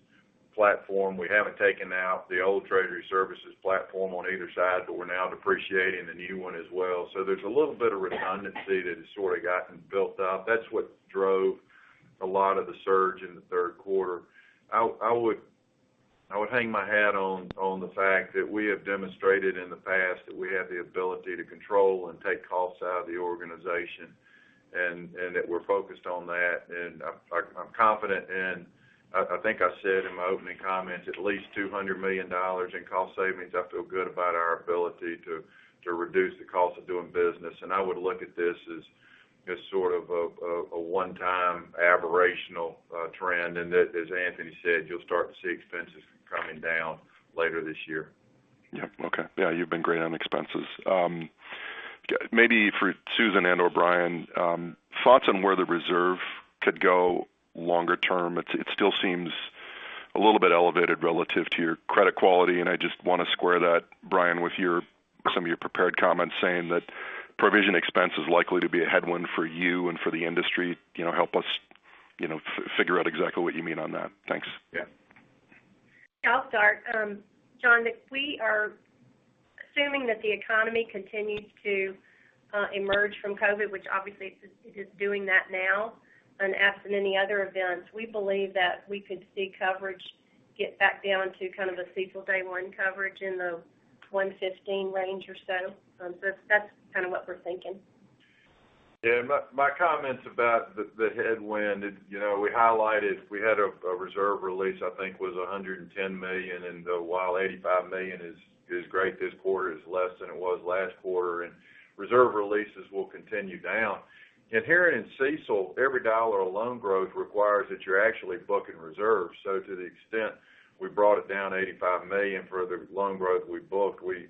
platform. We haven't taken out the old treasury services platform on either side, but we're now depreciating the new one as well. There's a little bit of redundancy that has sort of gotten built up. That's what drove a lot of the surge in the third quarter. I would hang my hat on the fact that we have demonstrated in the past that we have the ability to control and take costs out of the organization, and that we're focused on that. I'm confident in, I think I said in my opening comments, at least $200 million in cost savings. I feel good about our ability to reduce the cost of doing business. I would look at this as sort of a one-time aberrational trend, and that, as Anthony said, you'll start to see expenses coming down later this year. Yep. Okay. Yeah, you've been great on expenses. Maybe for Susan and/or Bryan, thoughts on where the reserve could go longer term. It still seems a little bit elevated relative to your credit quality, and I just want to square that, Bryan, with some of your prepared comments saying that provision expense is likely to be a headwind for you and for the industry. Help us figure out exactly what you mean on that. Thanks. Yeah. I'll start. Jon, if we are assuming that the economy continues to emerge from COVID, which obviously it is doing that now. Absent any other events, we believe that we could see coverage get back down to kind of a CECL Day One coverage in the 115 range or so. That's kind of what we're thinking. Yeah. My comments about the headwind, we highlighted, we had a reserve release, I think, was $110 million, and while $85 million is great this quarter, is less than it was last quarter, and reserve releases will continue down. Inherent in CECL, every dollar of loan growth requires that you're actually booking reserves. To the extent we brought it down $85 million for the loan growth we booked, we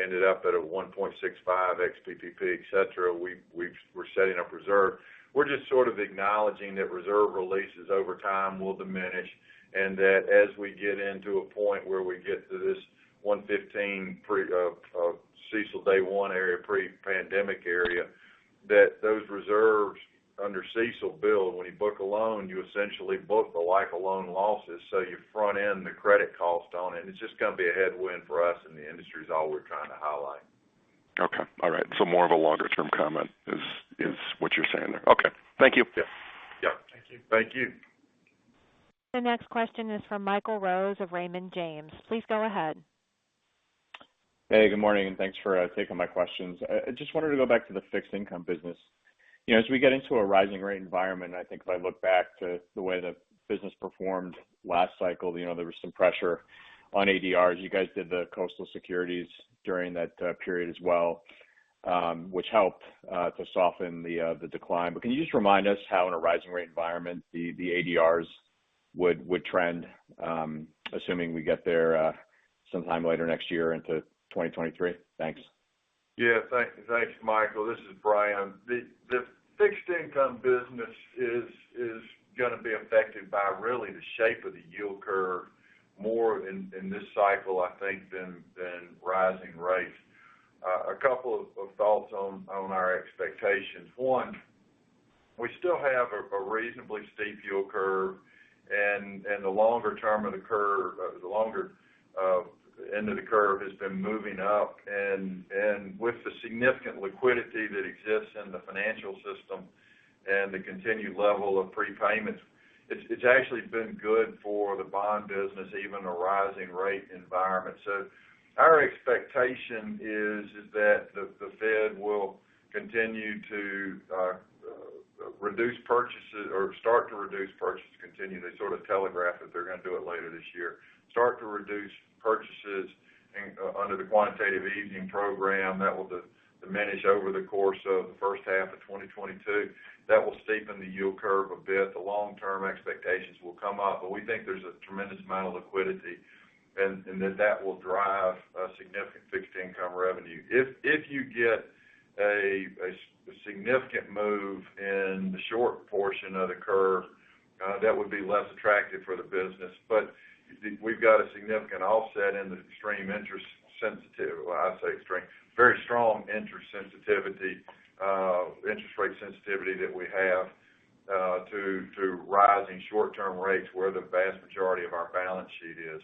ended up at a 1.65% ex-PPP, et cetera. We're setting up reserve. We're just sort of acknowledging that reserve releases over time will diminish, and that as we get into a point where we get to this 115 of CECL Day One area, pre-pandemic area. That those reserves under CECL will, when you book a loan, you essentially book the life of loan losses, so you front end the credit cost on it. It's just going to be a headwind for us in the industry is all we're trying to highlight. Okay. All right. More of a longer-term comment is what you're saying there. Okay. Thank you. Yes. Yeah. Thank you. Thank you. The next question is from Michael Rose of Raymond James. Please go ahead. Hey, good morning, thanks for taking my questions. I just wanted to go back to the fixed income business. As we get into a rising rate environment, I think if I look back to the way the business performed last cycle, there was some pressure on ADRs. You guys did the Coastal Securities during that period as well, which helped to soften the decline. Can you just remind us how, in a rising rate environment, the ADRs would trend, assuming we get there sometime later next year into 2023? Thanks. Yeah. Thanks, Michael. This is Bryan. The fixed income business is going to be affected by really the shape of the yield curve more in this cycle, I think, than rising rates. A couple of thoughts on our expectations. One, we still have a reasonably steep yield curve, and the longer end of the curve has been moving up. With the significant liquidity that exists in the financial system and the continued level of prepayments, it's actually been good for the bond business, even a rising rate environment. Our expectation is that the Fed will continue to reduce purchases or start to reduce purchases, continue to sort of telegraph that they're going to do it later this year. Start to reduce purchases under the Quantitative Easing Program that will diminish over the course of the first half of 2022. That will steepen the yield curve a bit. The long-term expectations will come up, but we think there's a tremendous amount of liquidity, and that will drive a significant fixed income revenue. If you get a significant move in the short portion of the curve, that would be less attractive for the business. We've got a significant offset in, well, I say extreme, very strong interest rate sensitivity that we have to rising short-term rates where the vast majority of our balance sheet is.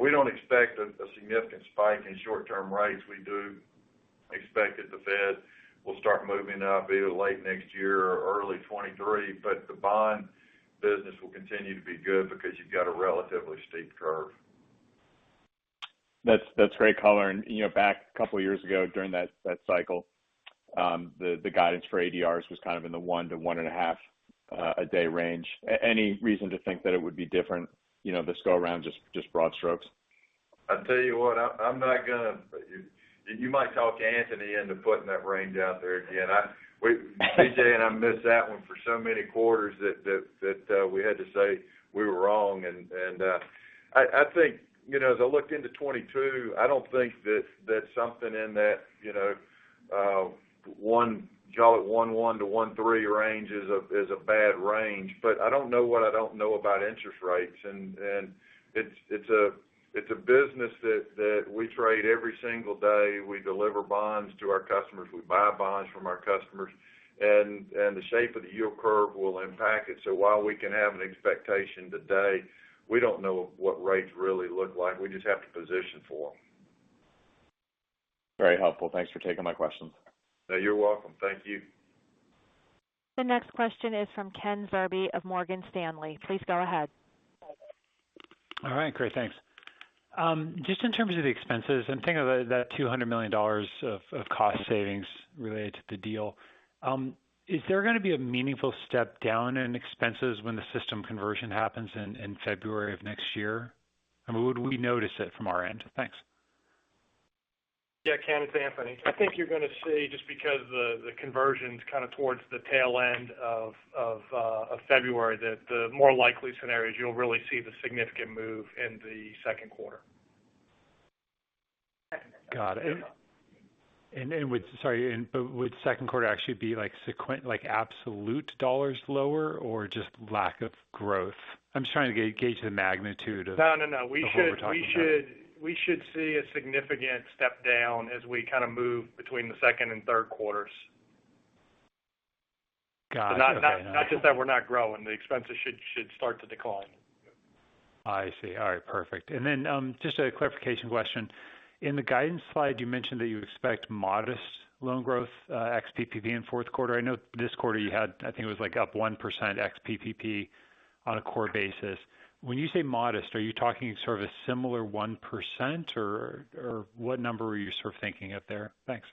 We don't expect a significant spike in short-term rates. We do expect that the Fed will start moving up either late next year or early 2023, but the bond business will continue to be good because you've got a relatively steep curve. That's great color. Back a couple of years ago during that cycle, the guidance for ADRs was kind of in the 1-1.5 a day range. Any reason to think that it would be different this go around, just broad strokes? I tell you what, you might talk Anthony into putting that range out there again. BJ and I missed that one for so many quarters that we had to say we were wrong, and I think as I looked into 2022, I don't think that something in that call it 1.1-1.3 range is a bad range. I don't know what I don't know about interest rates, and it's a business that we trade every single day. We deliver bonds to our customers. We buy bonds from our customers, and the shape of the yield curve will impact it. While we can have an expectation today, we don't know what rates really look like. We just have to position for them. Very helpful. Thanks for taking my questions. You're welcome. Thank you. The next question is from Ken Zerbe of Morgan Stanley. Please go ahead. All right, great. Thanks. Just in terms of the expenses and thinking about that $200 million of cost savings related to the deal, is there going to be a meaningful step down in expenses when the system conversion happens in February of next year? I mean, would we notice it from our end? Thanks. Yeah, Ken, it's Anthony. I think you're going to see just because the conversion's kind of towards the tail end of February, that the more likely scenario is you'll really see the significant move in the second quarter. Got it. Sorry, but would second quarter actually be absolute dollars lower or just lack of growth? No, we. What we're talking about. see a significant step down as we kind of move between the second and third quarters. Got it. Okay. Not just that we're not growing. The expenses should start to decline. I see. All right, perfect. Just a clarification question. In the guidance slide, you mentioned that you expect modest loan growth ex PPP in fourth quarter. I know this quarter you had, I think it was up 1% ex PPP on a core basis. When you say modest, are you talking sort of a similar 1%, or what number are you sort of thinking of there? Thanks.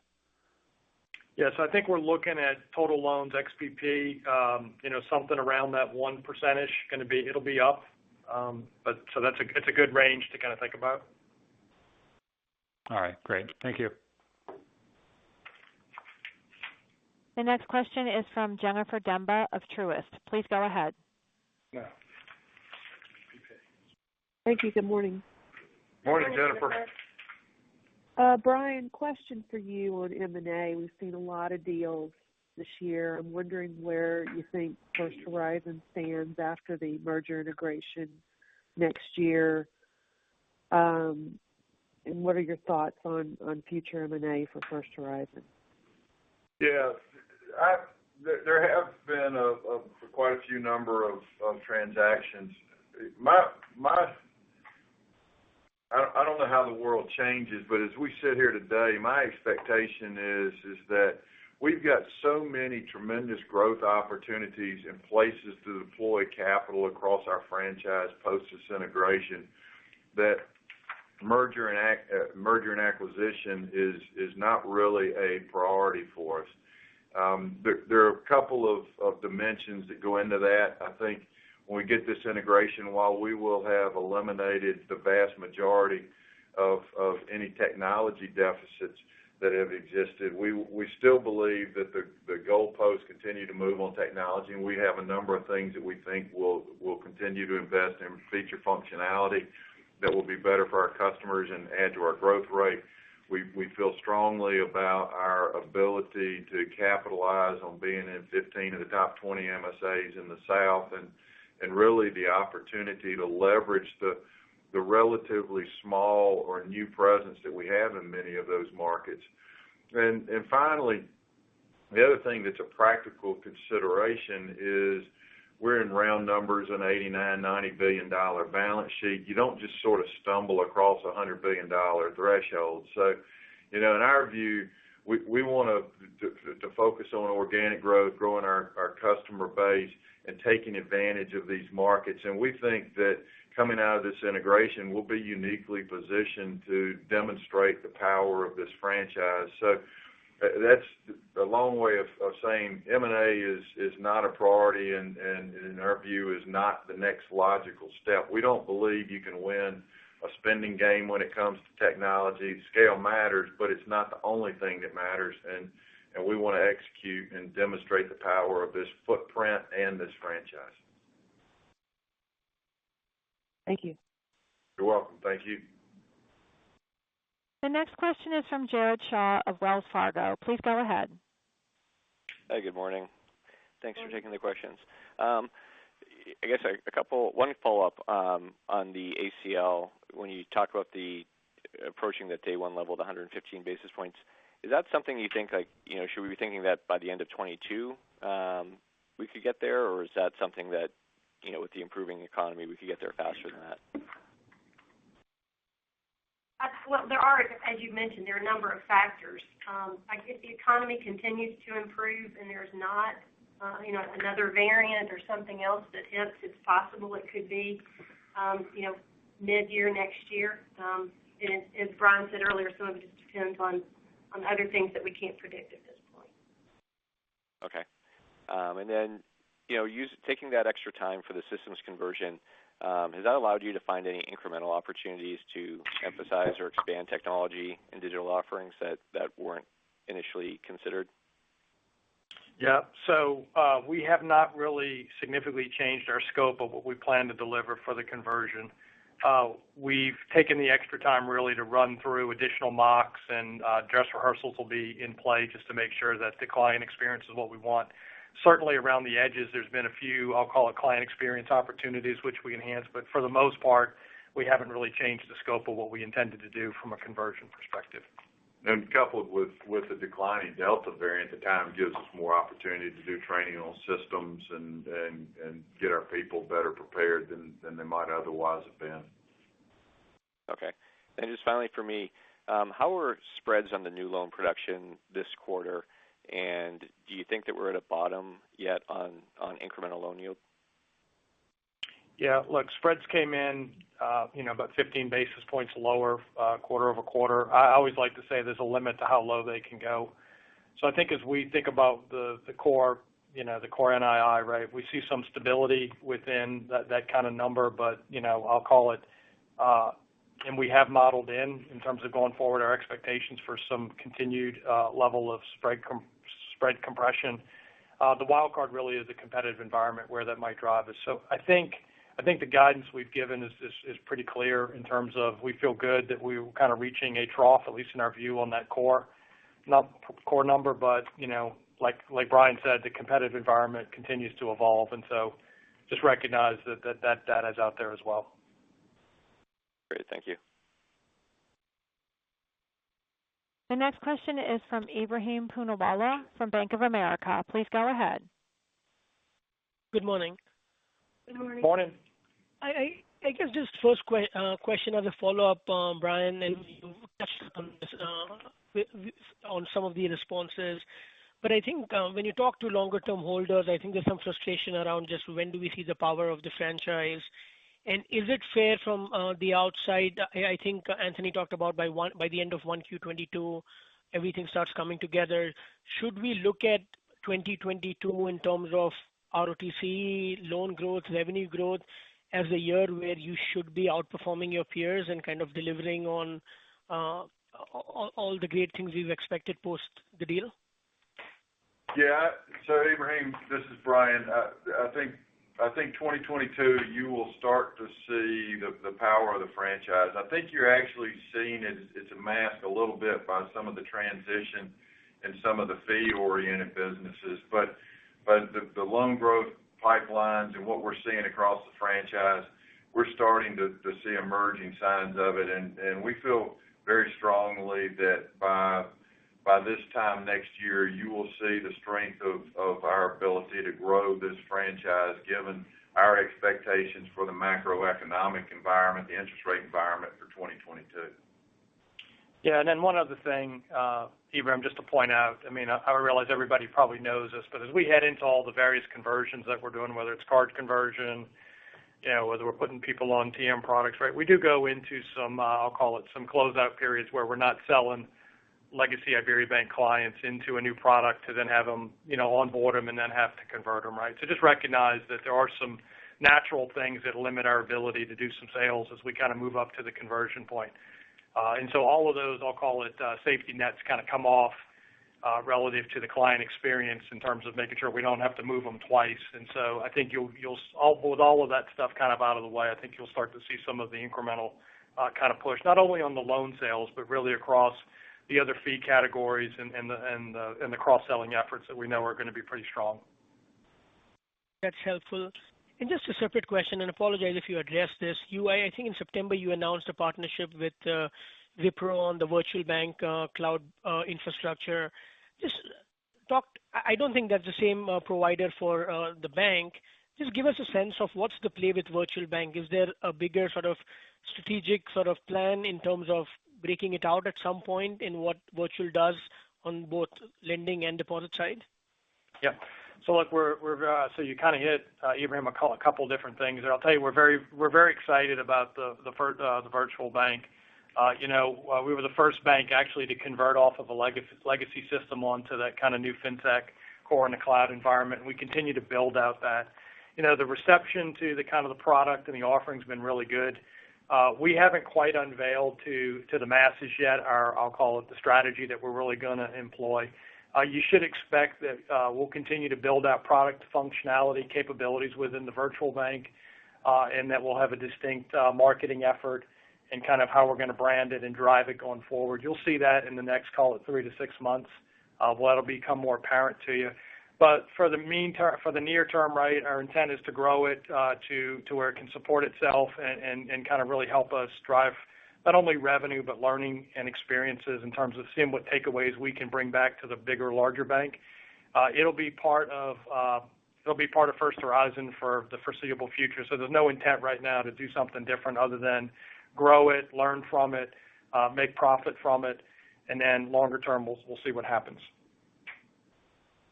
Yes, I think we're looking at total loans ex PPP, something around that 1%. It'll be up. That's a good range to kind of think about. All right, great. Thank you. The next question is from Jennifer Demba of Truist. Please go ahead. Yeah. Thank you. Good morning. Morning, Jennifer. Bryan, question for you on M&A. We've seen a lot of deals this year. I'm wondering where you think First Horizon stands after the merger integration next year. What are your thoughts on future M&A for First Horizon? Yes. There have been quite a few number of transactions. I don't know how the world changes, but as we sit here today, my expectation is that we've got so many tremendous growth opportunities and places to deploy capital across our franchise post this integration, that merger and acquisition is not really a priority for us. There are a couple of dimensions that go into that. I think when we get this integration, while we will have eliminated the vast majority of any technology deficits that have existed, we still believe that the goalposts continue to move on technology, and we have a number of things that we think we'll continue to invest in feature functionality that will be better for our customers and add to our growth rate. We feel strongly about our ability to capitalize on being in 15 of the top 20 MSAs in the South, really the opportunity to leverage the relatively small or new presence that we have in many of those markets. Finally, the other thing that's a practical consideration is we're in round numbers, an $89 billion, $90 billion balance sheet. You don't just stumble across a $100 billion threshold. In our view, we want to focus on organic growth, growing our customer base, and taking advantage of these markets. We think that coming out of this integration, we'll be uniquely positioned to demonstrate the power of this franchise. That's a long way of saying M&A is not a priority and, in our view, is not the next logical step. We don't believe you can win a spending game when it comes to technology. Scale matters, but it's not the only thing that matters, and we want to execute and demonstrate the power of this footprint and this franchise. Thank you. You're welcome. Thank you. The next question is from Jared Shaw of Wells Fargo. Please go ahead. Hi, good morning. Thanks for taking the questions. I guess one follow-up on the ACL. When you talk about approaching the day one level of 115 basis points, is that something you think, should we be thinking that by the end of 2022 we could get there? Or is that something that, with the improving economy, we could get there faster than that? Well, as you mentioned, there are a number of factors. If the economy continues to improve and there's not another variant or something else that hits, it's possible it could be mid-year next year. As Bryan said earlier, some of it just depends on other things that we can't predict at this point. Okay. Taking that extra time for the systems conversion, has that allowed you to find any incremental opportunities to emphasize or expand technology and digital offerings that weren't initially considered? Yeah. We have not really significantly changed our scope of what we plan to deliver for the conversion. We've taken the extra time really to run through additional mocks, and dress rehearsals will be in play just to make sure that the client experience is what we want. Certainly around the edges, there's been a few, I'll call it client experience opportunities, which we enhanced. For the most part, we haven't really changed the scope of what we intended to do from a conversion perspective. Coupled with the declining Delta variant, the time gives us more opportunity to do training on systems and get our people better prepared than they might otherwise have been. Okay. Just finally for me, how were spreads on the new loan production this quarter? Do you think that we're at a bottom yet on incremental loan yield? Yeah, look, spreads came in about 15 basis points lower quarter-over-quarter. I always like to say there's a limit to how low they can go. I think as we think about the core NII, we see some stability within that kind of number, and we have modeled in terms of going forward, our expectations for some continued level of spread compression. The wild card really is the competitive environment where that might drive us. I think the guidance we've given is pretty clear in terms of we feel good that we're kind of reaching a trough, at least in our view, on that core number. Like Bryan said, the competitive environment continues to evolve. Just recognize that that data is out there as well. Great. Thank you. The next question is from Ebrahim Poonawala from Bank of America. Please go ahead. Good morning. Good morning. Morning. I guess just first question as a follow-up, Bryan, you touched on this on some of the responses. I think when you talk to longer-term holders, I think there's some frustration around just when do we see the power of the franchise. Is it fair from the outside, I think Anthony talked about by the end of Q1 2022, everything starts coming together. Should we look at 2022 in terms of ROTCE, loan growth, revenue growth, as the year where you should be outperforming your peers and kind of delivering on all the great things we've expected post the deal? Yeah. Ebrahim, this is Bryan. I think 2022, you will start to see the power of the franchise. I think you're actually seeing it's masked a little bit by some of the transition in some of the fee-oriented businesses. The loan growth pipelines and what we're seeing across the franchise, we're starting to see emerging signs of it. We feel very strongly that by this time next year, you will see the strength of our ability to grow this franchise, given our expectations for the macroeconomic environment, the interest rate environment for 2022. Yeah. One other thing, Ebrahim Poonawala, just to point out, I realize everybody probably knows this, as we head into all the various conversions that we're doing, whether it's card conversion, whether we're putting people on TM products. We do go into some, I'll call it some closeout periods, where we're not selling legacy IberiaBank clients into a new product to then have them onboard them and then have to convert them. Just recognize that there are some natural things that limit our ability to do some sales as we move up to the conversion point. All of those, I'll call it safety nets, come off relative to the client experience in terms of making sure we don't have to move them twice. I think with all of that stuff out of the way, I think you'll start to see some of the incremental push, not only on the loan sales, but really across the other fee categories and the cross-selling efforts that we know are going to be pretty strong. That's helpful. Just a separate question, and apologize if you addressed this. I think in September, you announced a partnership with Wipro on the VirtualBank cloud infrastructure. I don't think that's the same provider for the bank. Just give us a sense of what's the play with VirtualBank. Is there a bigger strategic plan in terms of breaking it out at some point in what virtual does on both lending and deposit side? Yeah. Look, you hit, Ebrahim, a couple different things there. I'll tell you, we're very excited about the VirtualBank. We were the first bank actually to convert off of a legacy system onto that kind of new fintech core in a cloud environment, and we continue to build out that. The reception to the product and the offering's been really good. We haven't quite unveiled to the masses yet our, I'll call it the strategy that we're really going to employ. You should expect that we'll continue to build out product functionality capabilities within the VirtualBank, and that we'll have a distinct marketing effort in how we're going to brand it and drive it going forward. You'll see that in the next, call it three to six months, where that'll become more apparent to you. For the near term, our intent is to grow it to where it can support itself and really help us drive not only revenue, but learning and experiences in terms of seeing what takeaways we can bring back to the bigger, larger bank. It'll be part of First Horizon for the foreseeable future. There's no intent right now to do something different other than grow it, learn from it, make profit from it, and then longer term, we'll see what happens.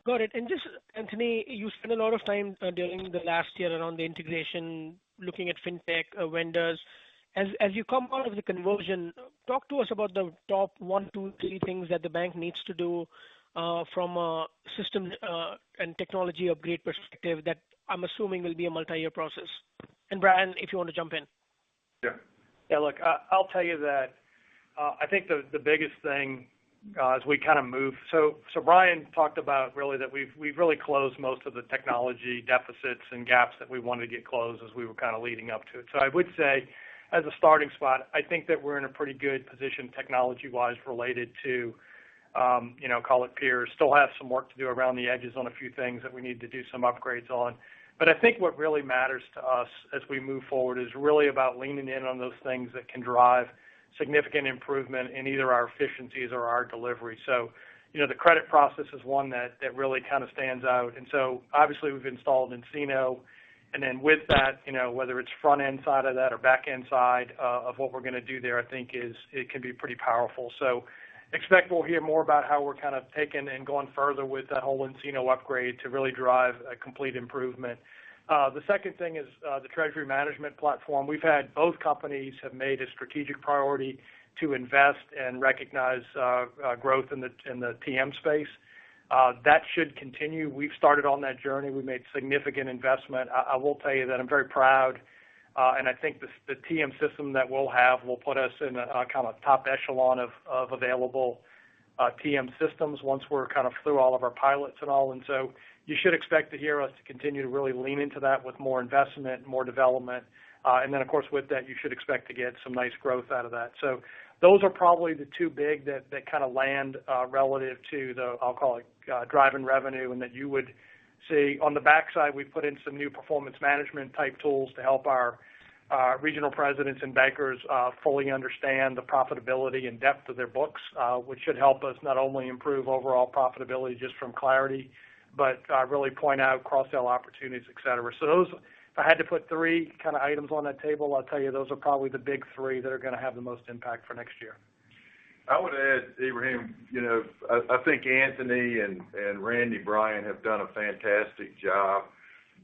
Got it. Just Anthony Restel, you spent a lot of time during the last year around the integration, looking at fintech vendors. As you come out of the conversion, talk to us about the top one, two, three things that the bank needs to do from a system and technology upgrade perspective that I'm assuming will be a multi-year process. Bryan, if you want to jump in. Yeah. Yeah, look, I'll tell you that I think the biggest thing. Bryan talked about really that we've really closed most of the technology deficits and gaps that we wanted to get closed as we were leading up to it. I would say, as a starting spot, I think that we're in a pretty good position technology-wise related to call it peers. Still have some work to do around the edges on a few things that we need to do some upgrades on. I think what really matters to us as we move forward is really about leaning in on those things that can drive significant improvement in either our efficiencies or our delivery. The credit process is one that really stands out. Obviously we've installed nCino, with that, whether it's front end side of that or back end side of what we're going to do there, I think it can be pretty powerful. Expect we'll hear more about how we're taking and going further with that whole nCino upgrade to really drive a complete improvement. The second thing is the treasury management platform. Both companies have made a strategic priority to invest and recognize growth in the TM space. That should continue. We've started on that journey. We made significant investment. I will tell you that I'm very proud, and I think the TM system that we'll have will put us in a top echelon of available TM systems once we're through all of our pilots and all. You should expect to hear us continue to really lean into that with more investment, more development. Of course with that, you should expect to get some nice growth out of that. Those are probably the two big that land relative to the, I'll call it driving revenue and that you would see. On the backside, we put in some new performance management type tools to help our regional presidents and bankers fully understand the profitability and depth of their books, which should help us not only improve overall profitability just from clarity, but really point out cross-sell opportunities, et cetera. Those, if I had to put three items on that table, I'll tell you, those are probably the big three that are going to have the most impact for next year. I would add, Ebrahim, I think Anthony and Randy Bryan have done a fantastic job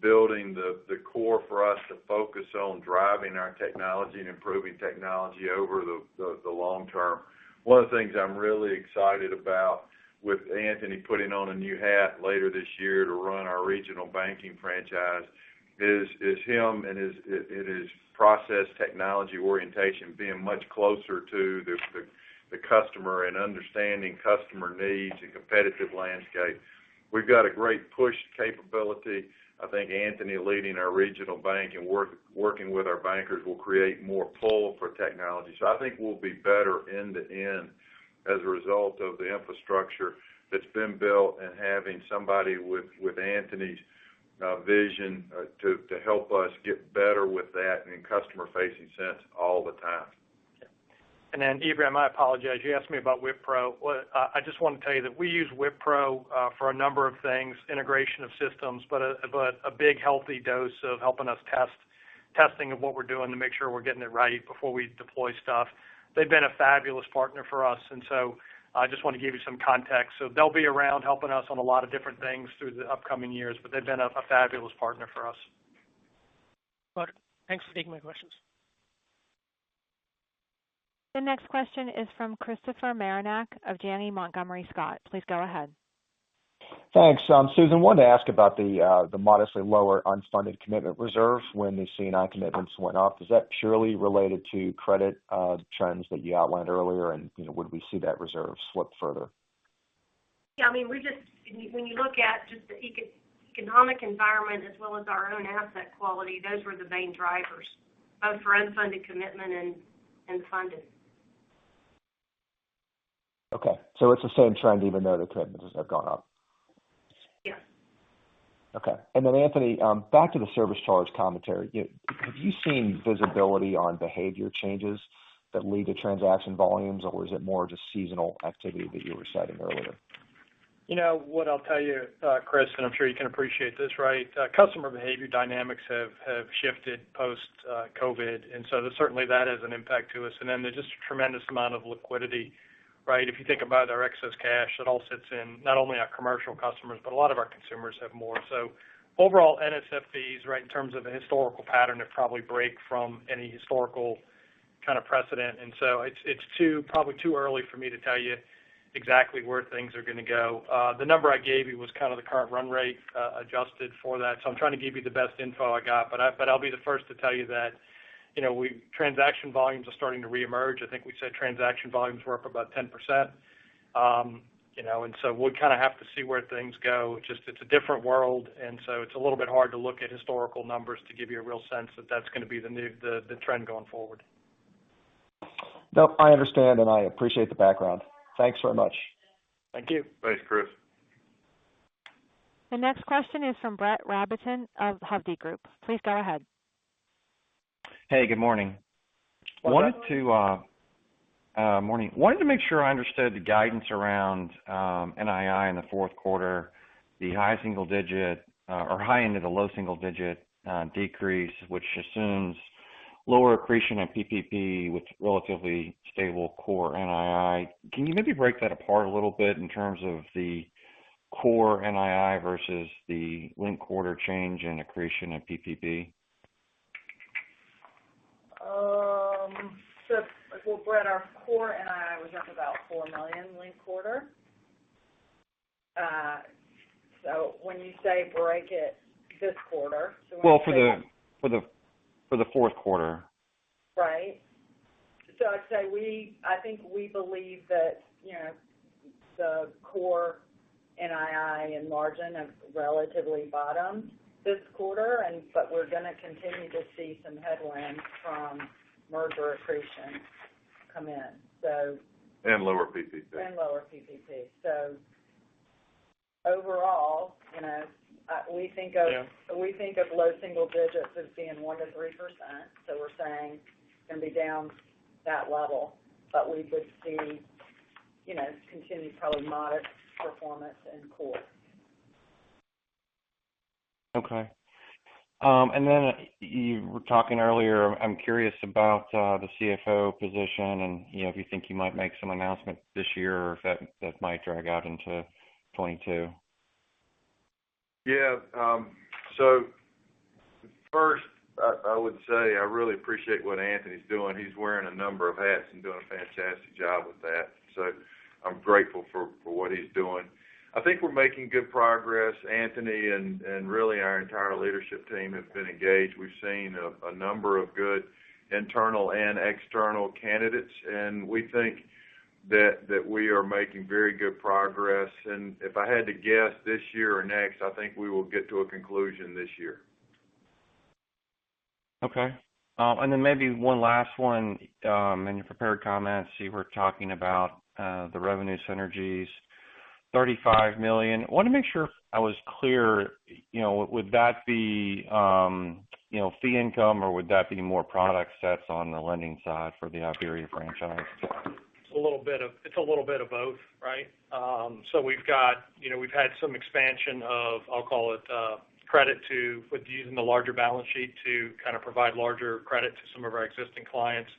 building the core for us to focus on driving our technology and improving technology over the long term. One of the things I'm really excited about with Anthony putting on a new hat later this year to run our regional banking franchise is him and his process technology orientation being much closer to the customer and understanding customer needs and competitive landscape. We've got a great push capability. I think Anthony leading our regional bank and working with our bankers will create more pull for technology. I think we'll be better end to end as a result of the infrastructure that's been built and having somebody with Anthony's vision to help us get better with that in a customer-facing sense all the time. Ebrahim, I apologize. You asked me about Wipro. I just want to tell you that we use Wipro for a number of things, integration of systems, but a big healthy dose of helping us testing of what we're doing to make sure we're getting it right before we deploy stuff. They've been a fabulous partner for us, I just want to give you some context. They'll be around helping us on a lot of different things through the upcoming years, but they've been a fabulous partner for us. Good. Thanks for taking my questions. The next question is from Christopher Marinac of Janney Montgomery Scott. Please go ahead. Thanks. Susan, I wanted to ask about the modestly lower unfunded commitment reserve when the C&I commitments went off. Is that purely related to credit trends that you outlined earlier? Would we see that reserve slip further? Yeah, when you look at just the economic environment as well as our own asset quality, those were the main drivers, both for unfunded commitment and funded. Okay. It's the same trend even though the commitments have gone up. Yes. Okay. Anthony, back to the service charge commentary. Have you seen visibility on behavior changes that lead to transaction volumes, or is it more just seasonal activity that you were citing earlier? What I'll tell you, Chris, and I'm sure you can appreciate this. Customer behavior dynamics have shifted post-COVID, and so certainly that is an impact to us. There's just a tremendous amount of liquidity. If you think about our excess cash, it all sits in not only our commercial customers, but a lot of our consumers have more. Overall, NSF fees, in terms of a historical pattern, they probably break from any historical kind of precedent. It's probably too early for me to tell you exactly where things are going to go. The number I gave you was kind of the current run rate, adjusted for that. I'm trying to give you the best info I got, but I'll be the first to tell you that transaction volumes are starting to reemerge. I think we said transaction volumes were up about 10%. We'll kind of have to see where things go. Just it's a different world, and so it's a little bit hard to look at historical numbers to give you a real sense that that's going to be the trend going forward. No, I understand, and I appreciate the background. Thanks very much. Thank you. Thanks, Chris. The next question is from Brett Rabatin of Hovde Group. Please go ahead. Hey, good morning. Good morning. Wanted to make sure I understood the guidance around NII in the fourth quarter, the high single digit or high end of the low single digit decrease, which assumes lower accretion of PPP with relatively stable core NII. Can you maybe break that apart a little bit in terms of the core NII versus the linked quarter change in accretion of PPP? Brett, our core NII was up about $4 million linked quarter. When you say break it this quarter. Well, for the fourth quarter. Right. I'd say I think we believe that the core NII and margin have relatively bottomed this quarter, but we're going to continue to see some headwind from merger accretion come in. Lower PPP. Lower PPP. Overall, we think of low single digits as being 1%-3%, so we're saying going to be down that level. We would see continued probably modest performance in core. Okay. You were talking earlier, I am curious about the CFO position and if you think you might make some announcement this year or if that might drag out into 2022. First, I would say I really appreciate what Anthony's doing. He's wearing a number of hats and doing a fantastic job with that. I'm grateful for what he's doing. I think we're making good progress. Anthony and really our entire leadership team have been engaged. We've seen a number of good internal and external candidates. We think that we are making very good progress. If I had to guess this year or next, I think we will get to a conclusion this year. Okay. Maybe one last one. In your prepared comments, you were talking about the revenue synergies, $35 million. I wanted to make sure I was clear, would that be fee income, or would that be more product sets on the lending side for the IberiaBank franchise? It's a little bit of both. We've had some expansion of, I'll call it, credit with using the larger balance sheet to kind of provide larger credit to some of our existing clients.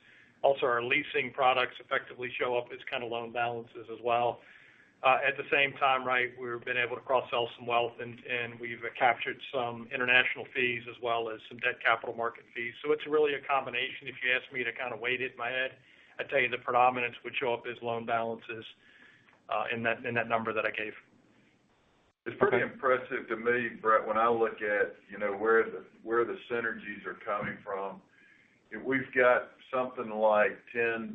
Our leasing products effectively show up as kind of loan balances as well. At the same time, we've been able to cross-sell some wealth, and we've captured some international fees as well as some debt capital market fees. It's really a combination. If you asked me to kind of weight it in my head, I'd tell you the predominance would show up as loan balances in that number that I gave. It's pretty impressive to me, Brett, when I look at where the synergies are coming from. We've got something like $10-15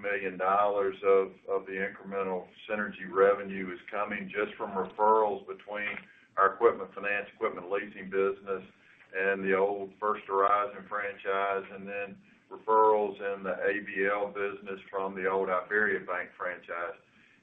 million of the incremental synergy revenue is coming just from referrals between our equipment finance, equipment leasing business, and the old First Horizon franchise, and then referrals in the ABL business from the old IberiaBank franchise.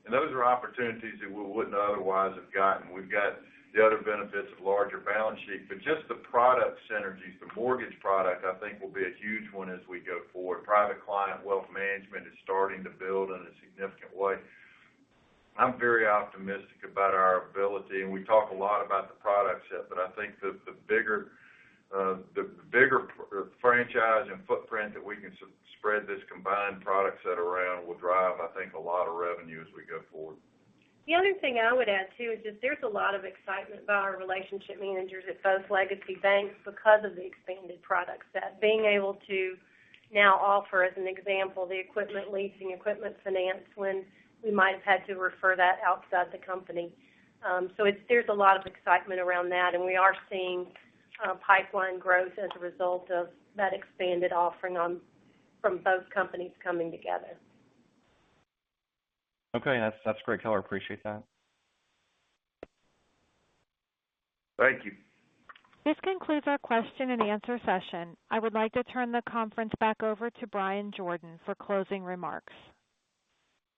Those are opportunities that we wouldn't otherwise have gotten. We've got the other benefits of larger balance sheet, but just the product synergies, the mortgage product, I think, will be a huge one as we go forward. Private client wealth management is starting to build in a significant way. I'm very optimistic about our ability. We talk a lot about the product set. I think the bigger franchise and footprint that we can spread this combined product set around will drive, I think, a lot of revenue as we go forward. The other thing I would add, too, is just there's a lot of excitement by our relationship managers at both legacy banks because of the expanded product set. Being able to now offer, as an example, the equipment leasing, equipment finance, when we might have had to refer that outside the company. There's a lot of excitement around that, and we are seeing pipeline growth as a result of that expanded offering from both companies coming together. Okay. That's great color. Appreciate that. Thank you. This concludes our question and answer session. I would like to turn the conference back over to Bryan Jordan for closing remarks.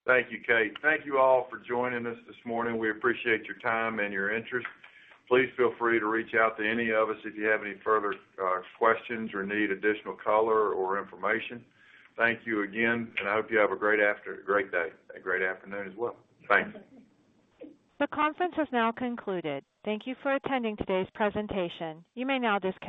Thank you, Kate. Thank you all for joining us this morning. We appreciate your time and your interest. Please feel free to reach out to any of us if you have any further questions or need additional color or information. Thank you again, and I hope you have a great day, a great afternoon as well. Thanks. The conference has now concluded. Thank you for attending today's presentation. You may now disconnect.